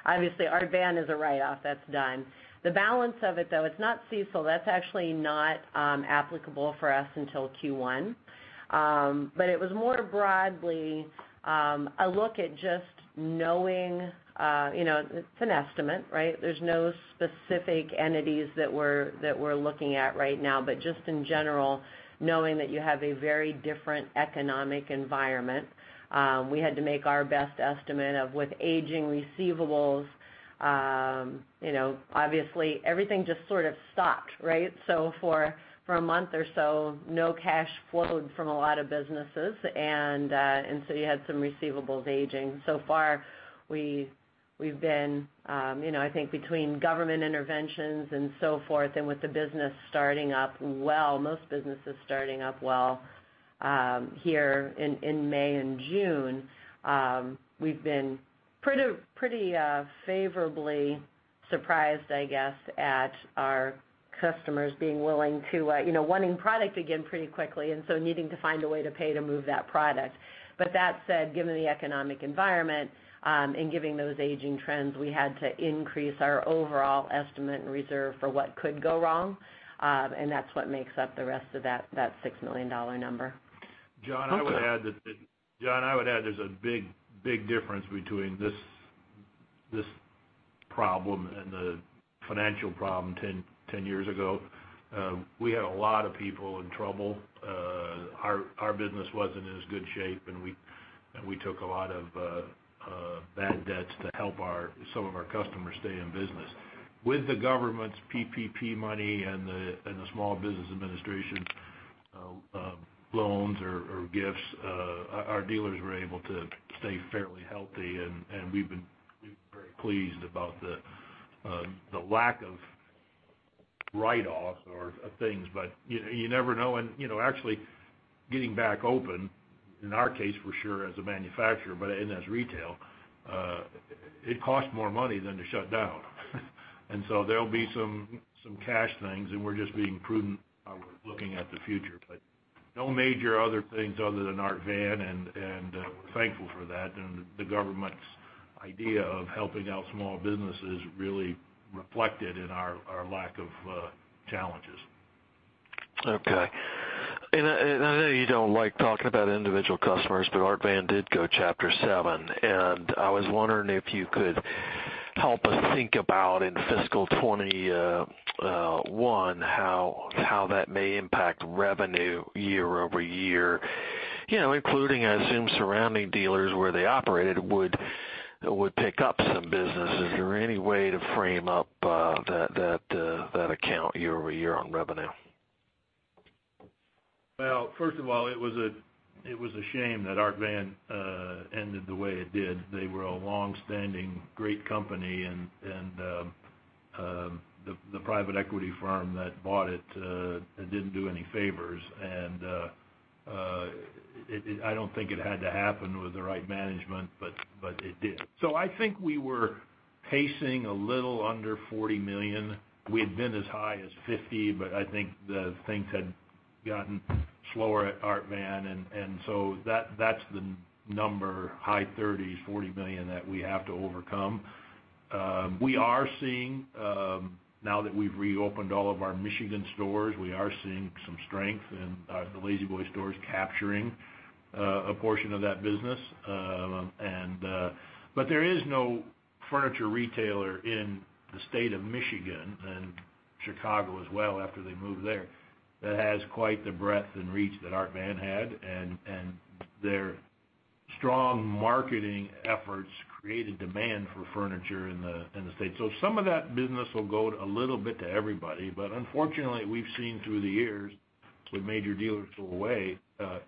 Obviously Art Van is a write-off. That's done. The balance of it, though, it's not CECL. That's actually not applicable for us until Q1. It was more broadly a look at just knowing, it's an estimate, right? There's no specific entities that we're looking at right now. Just in general, knowing that you have a very different economic environment. We had to make our best estimate of with aging receivables. Obviously, everything just sort of stopped, right? For a month or so, no cash flowed from a lot of businesses, you had some receivables aging. So far we've been, I think between government interventions and so forth, with the business starting up well, most businesses starting up well here in May and June, we've been pretty favorably surprised, I guess, at our customers being willing to wanting product again pretty quickly, needing to find a way to pay to move that product. That said, given the economic environment, given those aging trends, we had to increase our overall estimate and reserve for what could go wrong. That's what makes up the rest of that $6 million number. John, I would add there's a big difference between this problem and the financial problem 10 years ago. We had a lot of people in trouble. Our business wasn't in as good shape, and we took a lot of bad debts to help some of our customers stay in business. With the government's PPP money and the Small Business Administration loans or gifts, our dealers were able to stay fairly healthy, and we've been very pleased about the lack of write-offs or things. You never know. Actually getting back open, in our case for sure as a manufacturer, but and as retail, it costs more money than to shut down. There'll be some cash things, and we're just being prudent how we're looking at the future, but no major other things other than Art Van, and we're thankful for that. The government's idea of helping out small business is really reflected in our lack of challenges. Okay. I know you don't like talking about individual customers, Art Van did go Chapter 7, I was wondering if you could help us think about in fiscal 2021, how that may impact revenue year-over-year, including, I assume, surrounding dealers where they operated would pick up some business. Is there any way to frame up that account year-over-year on revenue? First of all, it was a shame that Art Van ended the way it did. They were a longstanding great company and the private equity firm that bought it didn't do any favors. I don't think it had to happen with the right management, but it did. I think we were pacing a little under $40 million. We had been as high as $50 million, but I think the things had gotten slower at Art Van, and so that's the number, high $30s, $40 million that we have to overcome. Now that we've reopened all of our Michigan stores, we are seeing some strength in the La-Z-Boy stores capturing a portion of that business. There is no furniture retailer in the state of Michigan, and Chicago as well after they moved there, that has quite the breadth and reach that Art Van had, and their strong marketing efforts created demand for furniture in the state. Some of that business will go a little bit to everybody. Unfortunately, we've seen through the years with major dealers who away,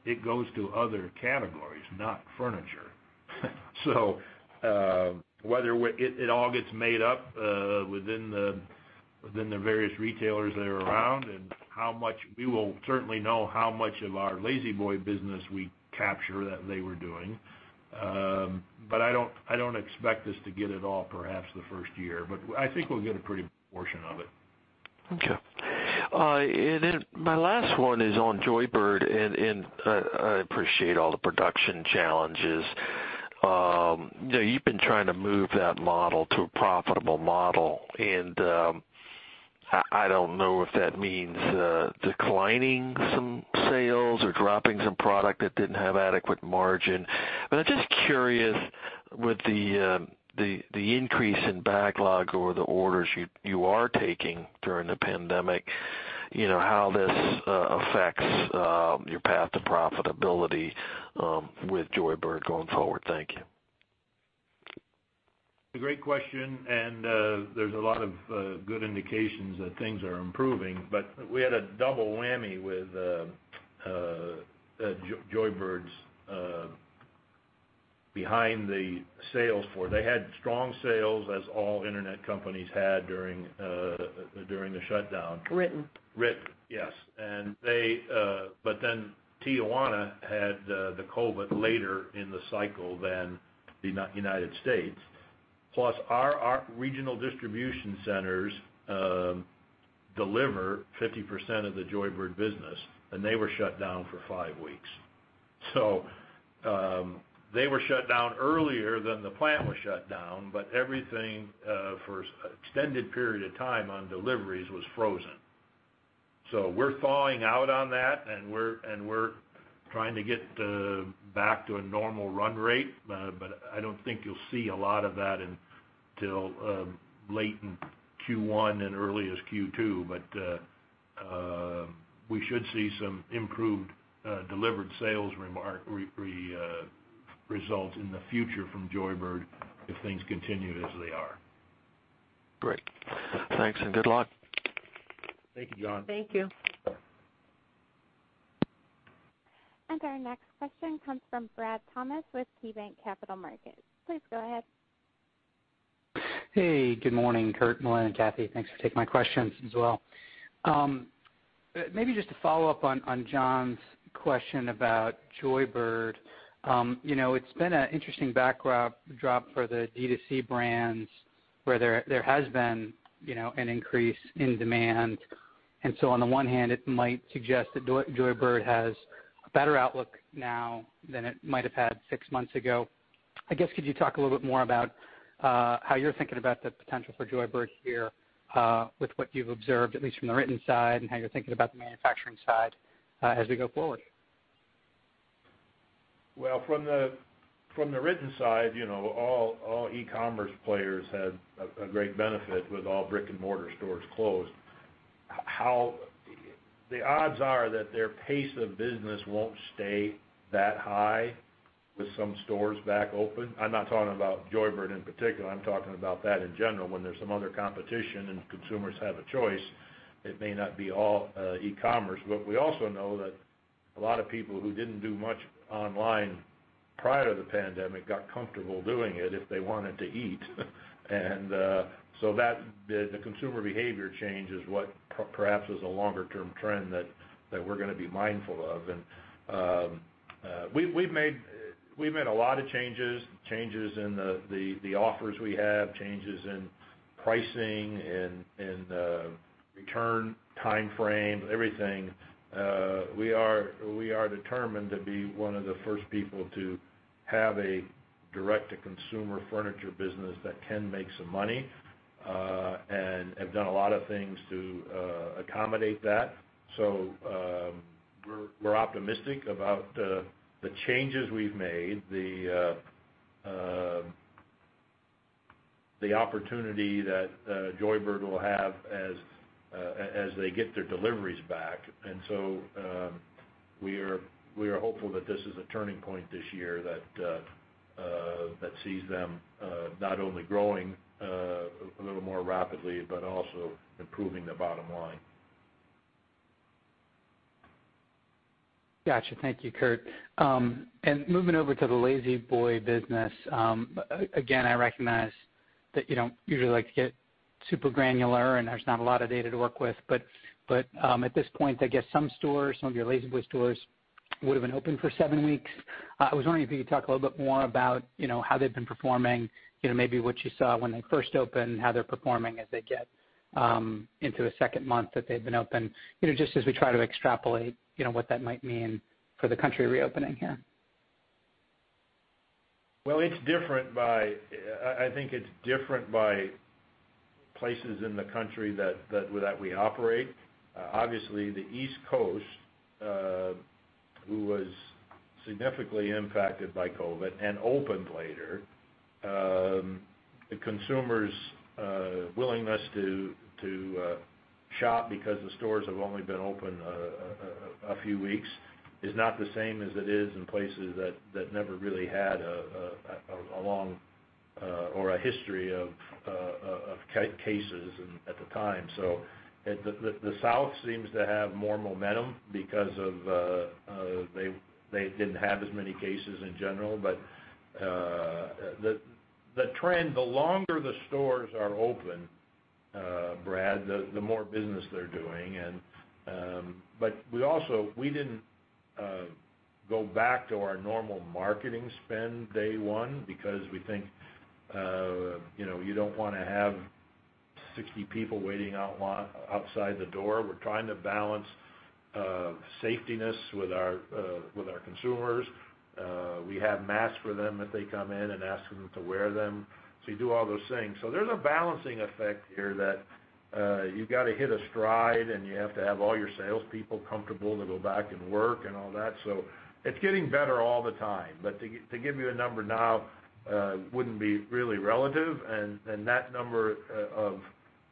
it goes to other categories, not furniture. Whether it all gets made up within the various retailers that are around, and we will certainly know how much of our La-Z-Boy business we capture that they were doing. I don't expect us to get it all perhaps the first year, but I think we'll get a pretty good portion of it. Okay. Then my last one is on Joybird, and I appreciate all the production challenges. You've been trying to move that model to a profitable model. I don't know if that means declining some sales or dropping some product that didn't have adequate margin. I'm just curious with the increase in backlog or the orders you are taking during the pandemic, how this affects your path to profitability with Joybird going forward. Thank you. A great question, and there's a lot of good indications that things are improving. We had a double whammy with Joybird's behind the sales for They had strong sales, as all internet companies had during the shutdown. Written. Written, yes. Tijuana had the COVID later in the cycle than the U.S. Our regional distribution centers deliver 50% of the Joybird business, and they were shut down for five weeks. They were shut down earlier than the plant was shut down. Everything for extended period of time on deliveries was frozen. We're thawing out on that, and we're trying to get back to a normal run rate. I don't think you'll see a lot of that until late in Q1 and early as Q2. We should see some improved delivered sales results in the future from Joybird if things continue as they are. Great. Thanks, and good luck. Thank you, John. Thank you. Our next question comes from Brad Thomas with KeyBanc Capital Markets. Please go ahead. Hey, good morning, Kurt, Melinda, Kathy. Thanks for taking my questions as well. Maybe just to follow up on John's question about Joybird. It's been an interesting backdrop for the D2C brands where there has been an increase in demand. On the one hand, it might suggest that Joybird has a better outlook now than it might have had six months ago. I guess could you talk a little bit more about how you're thinking about the potential for Joybird here with what you've observed, at least from the written side, and how you're thinking about the manufacturing side as we go forward? Well, from the written side, all e-commerce players had a great benefit with all brick and mortar stores closed. The odds are that their pace of business won't stay that high with some stores back open. I'm not talking about Joybird in particular. I'm talking about that in general, when there's some other competition and consumers have a choice, it may not be all e-commerce. We also know that a lot of people who didn't do much online prior to the pandemic got comfortable doing it if they wanted to eat. The consumer behavior change is what perhaps is a longer-term trend that we're going to be mindful of. We've made a lot of changes in the offers we have, changes in pricing, in return timeframe, everything. We are determined to be one of the first people to have a direct-to-consumer furniture business that can make some money and have done a lot of things to accommodate that. We're optimistic about the changes we've made, the opportunity that Joybird will have as they get their deliveries back. We are hopeful that this is a turning point this year that sees them not only growing a little more rapidly but also improving the bottom line. Got you. Thank you, Kurt. Moving over to the La-Z-Boy business, again, I recognize that you don't usually like to get super granular, and there's not a lot of data to work with. At this point, I guess some stores, some of your La-Z-Boy stores would've been open for seven weeks. I was wondering if you could talk a little bit more about how they've been performing, maybe what you saw when they first opened, how they're performing as they get into a second month that they've been open, just as we try to extrapolate what that might mean for the country reopening here. Well, I think it's different by places in the country that we operate. The East Coast, who was significantly impacted by COVID-19 and opened later, the consumers' willingness to shop because the stores have only been open a few weeks is not the same as it is in places that never really had a long or a history of cases at the time. The South seems to have more momentum because they didn't have as many cases in general. The trend, the longer the stores are open, Brad, the more business they're doing. We didn't go back to our normal marketing spend day one because we think you don't want to have 60 people waiting outside the door. We're trying to balance safety with our consumers. We have masks for them if they come in and ask them to wear them. You do all those things. There's a balancing effect here that you've got to hit a stride, and you have to have all your salespeople comfortable to go back and work and all that. It's getting better all the time. To give you a number now wouldn't be really relative, and that number of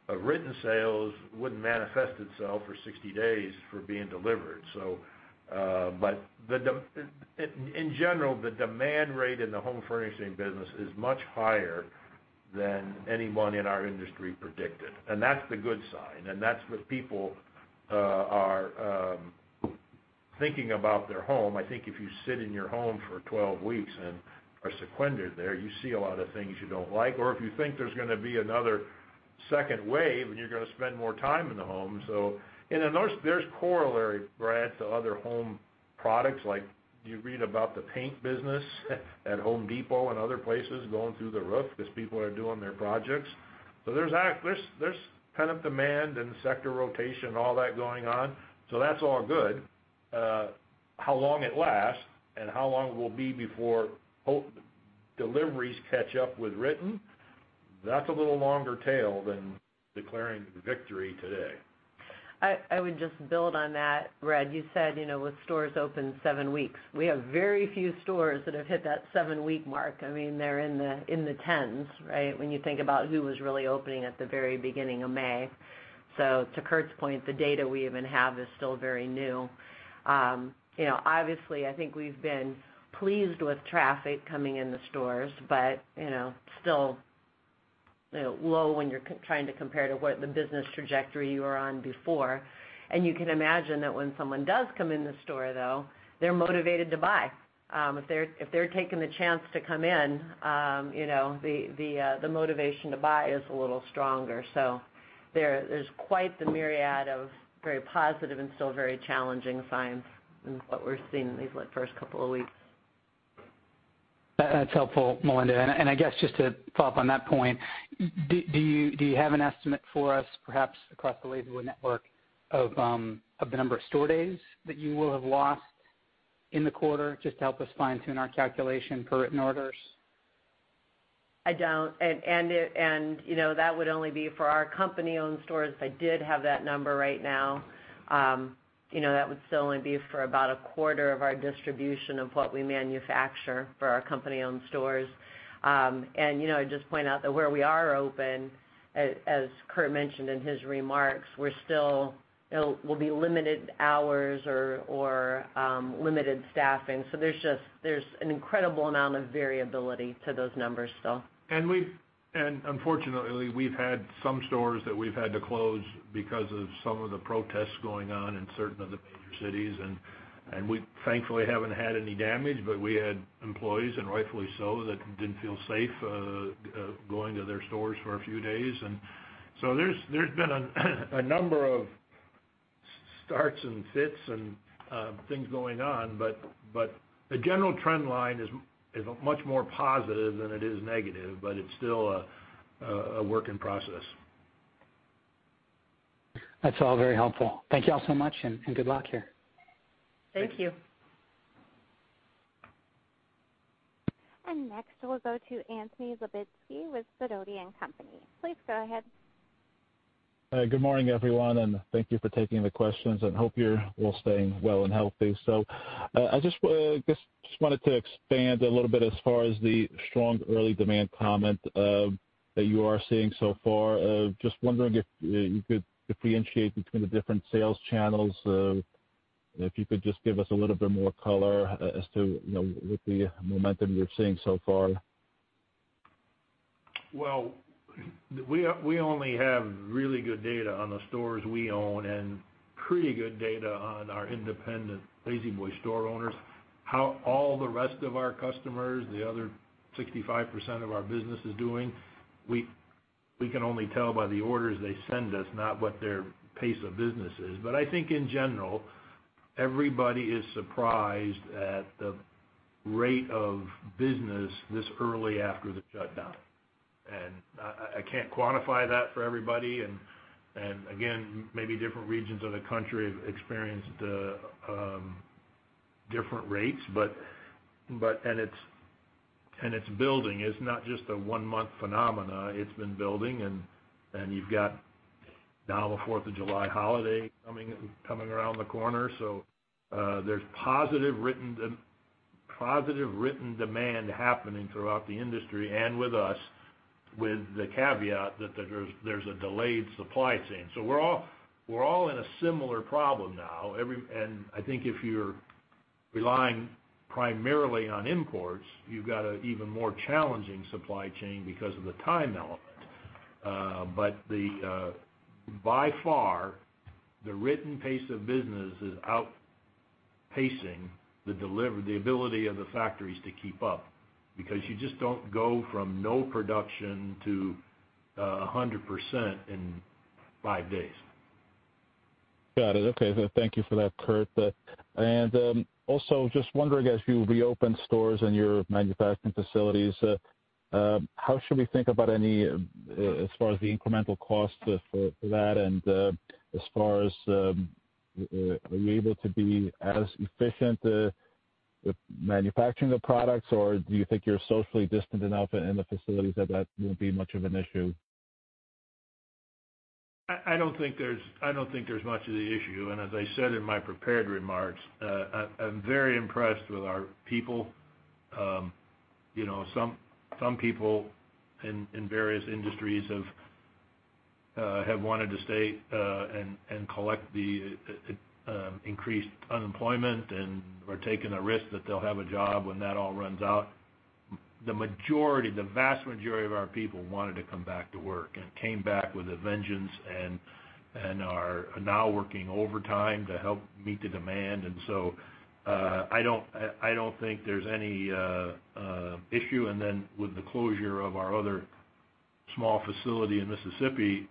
written sales wouldn't manifest itself for 60 days for being delivered. In general, the demand rate in the home furnishing business is much higher than anyone in our industry predicted. That's the good sign. That's what people are thinking about their home. I think if you sit in your home for 12 weeks and are sequestered there, you see a lot of things you don't like. If you think there's going to be another second wave and you're going to spend more time in the home. There's corollary, Brad, to other home products like you read about the paint business at Home Depot and other places going through the roof because people are doing their projects. There's pent-up demand and sector rotation, all that going on. That's all good. How long it lasts and how long it will be before deliveries catch up with written, that's a little longer tail than declaring victory today. I would just build on that, Brad. You said with stores open seven weeks. We have very few stores that have hit that seven-week mark. They're in the tens, right, when you think about who was really opening at the very beginning of May. To Kurt's point, the data we even have is still very new. Obviously, I think we've been pleased with traffic coming in the stores, but still low when you're trying to compare to what the business trajectory you were on before. You can imagine that when someone does come in the store, though, they're motivated to buy. If they're taking the chance to come in, the motivation to buy is a little stronger. There's quite the myriad of very positive and still very challenging signs in what we're seeing in these first couple of weeks. That's helpful, Melinda. I guess just to follow up on that point, do you have an estimate for us, perhaps across the La-Z-Boy network of the number of store days that you will have lost in the quarter just to help us fine-tune our calculation for written orders? I don't, and that would only be for our company-owned stores. If I did have that number right now, that would still only be for about a quarter of our distribution of what we manufacture for our company-owned stores. I'd just point out that where we are open, as Kurt mentioned in his remarks, we'll be limited hours or limited staffing. There's an incredible amount of variability to those numbers still. Unfortunately, we've had some stores that we've had to close because of some of the protests going on in certain of the major cities. We thankfully haven't had any damage. We had employees, and rightfully so, that didn't feel safe going to their stores for a few days. There's been a number of starts and fits and things going on, but the general trend line is much more positive than it is negative, but it's still a work in process. That's all very helpful. Thank you all so much and good luck here. Thank you. Next, we'll go to Anthony Lebiedzinski with Sidoti & Company. Please go ahead. Good morning, everyone. Thank you for taking the questions. Hope you're all staying well and healthy. I just wanted to expand a little bit as far as the strong early demand comment that you are seeing so far. Just wondering if you could differentiate between the different sales channels, if you could just give us a little bit more color as to with the momentum you're seeing so far? Well, we only have really good data on the stores we own and pretty good data on our independent La-Z-Boy store owners. How all the rest of our customers, the other 65% of our business is doing, we can only tell by the orders they send us, not what their pace of business is. I think in general, everybody is surprised at the rate of business this early after the shutdown. I can't quantify that for everybody. Again, maybe different regions of the country have experienced different rates. It's building. It's not just a one-month phenomena. It's been building and you've got now the Fourth of July holiday coming around the corner. There's positive written demand happening throughout the industry and with us with the caveat that there's a delayed supply chain. We're all in a similar problem now. I think if you're relying primarily on imports, you've got an even more challenging supply chain because of the time element. By far, the written pace of business is outpacing the ability of the factories to keep up because you just don't go from no production to 100% in five days. Got it. Okay. Thank you for that, Kurt. Also just wondering as you reopen stores and your manufacturing facilities, how should we think about any as far as the incremental cost for that and as far as are you able to be as efficient with manufacturing the products or do you think you're socially distant enough in the facilities that won't be much of an issue? I don't think there's much of the issue. As I said in my prepared remarks, I'm very impressed with our people. Some people in various industries have wanted to stay and collect the increased unemployment and are taking a risk that they'll have a job when that all runs out. The vast majority of our people wanted to come back to work and came back with a vengeance and are now working overtime to help meet the demand. I don't think there's any issue. With the closure of our other small facility in Mississippi,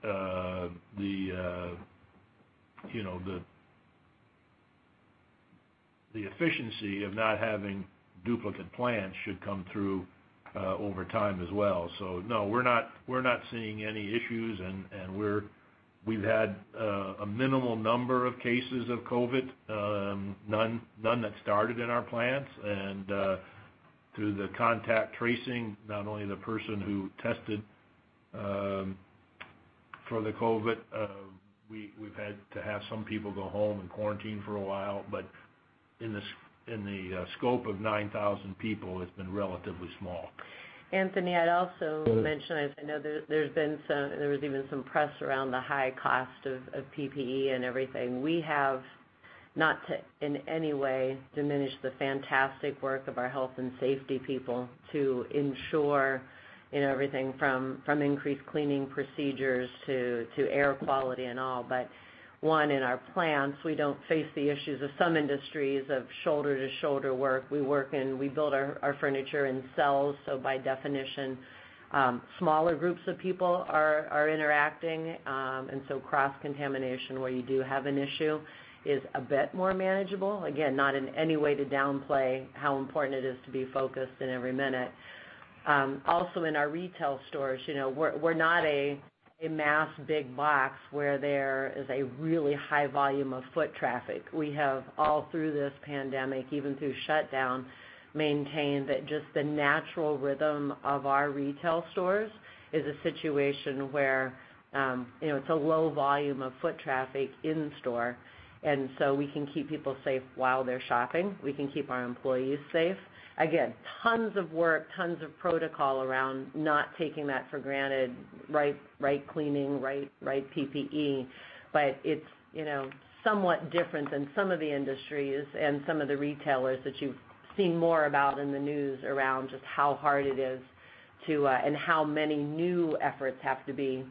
the efficiency of not having duplicate plants should come through over time as well. No, we're not seeing any issues and we've had a minimal number of cases of COVID, none that started in our plants. Through the contact tracing, not only the person who tested for the COVID, we've had to have some people go home and quarantine for a while. In the scope of 9,000 people, it's been relatively small. Anthony, I'd also mention, as I know there was even some press around the high cost of PPE and everything. We have, not to in any way diminish the fantastic work of our health and safety people to ensure everything from increased cleaning procedures to air quality and all. One, in our plants, we don't face the issues of some industries of shoulder to shoulder work. We build our furniture in cells. By definition, smaller groups of people are interacting. Cross-contamination where you do have an issue is a bit more manageable. Again, not in any way to downplay how important it is to be focused in every minute. Also in our retail stores, we're not a mass big box where there is a really high volume of foot traffic. We have all through this pandemic, even through shutdown, maintained that just the natural rhythm of our retail stores is a situation where it's a low volume of foot traffic in store. We can keep people safe while they're shopping. We can keep our employees safe. Again, tons of work, tons of protocol around not taking that for granted. Right cleaning, right PPE. It's somewhat different than some of the industries and some of the retailers that you've seen more about in the news around just how hard it is and how many new efforts have to be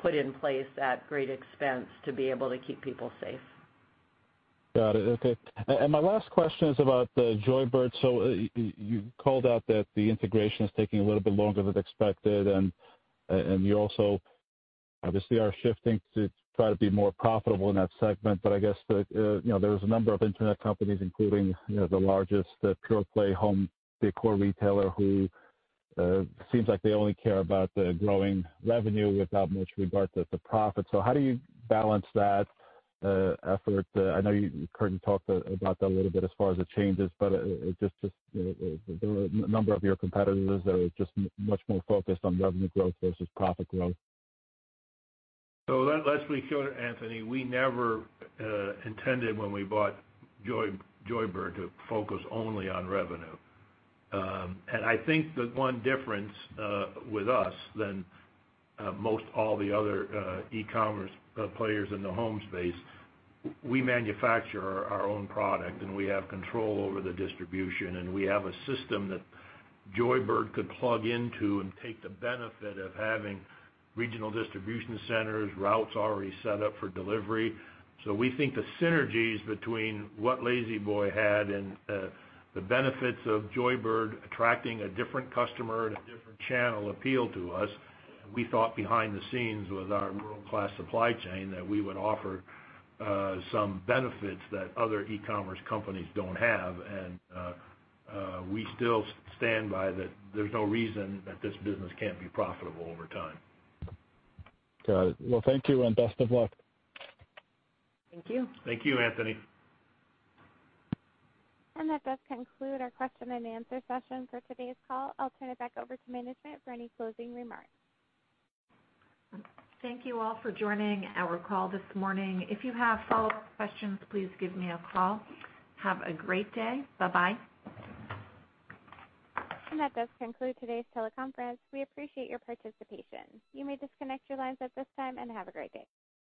put in place at great expense to be able to keep people safe. Got it. Okay. My last question is about the Joybird. You called out that the integration is taking a little bit longer than expected, and you also obviously are shifting to try to be more profitable in that segment. I guess there's a number of internet companies, including the largest pure play home decor retailer, who seems like they only care about the growing revenue without much regard to the profit. How do you balance that effort? I know you currently talked about that a little bit as far as the changes, but just the number of your competitors that are just much more focused on revenue growth versus profit growth. Let's be clear, Anthony, we never intended when we bought Joybird to focus only on revenue. I think the one difference with us than most all the other e-commerce players in the home space, we manufacture our own product, and we have control over the distribution, and we have a system that Joybird could plug into and take the benefit of having regional distribution centers, routes already set up for delivery. We think the synergies between what La-Z-Boy had and the benefits of Joybird attracting a different customer and a different channel appeal to us, we thought behind the scenes with our world-class supply chain, that we would offer some benefits that other e-commerce companies don't have. We still stand by that there's no reason that this business can't be profitable over time. Got it. Well, thank you and best of luck. Thank you. Thank you, Anthony. That does conclude our question-and-answer session for today's call. I'll turn it back over to management for any closing remarks. Thank you all for joining our call this morning. If you have follow-up questions, please give me a call. Have a great day. Bye-bye. That does conclude today's teleconference. We appreciate your participation. You may disconnect your lines at this time and have a great day.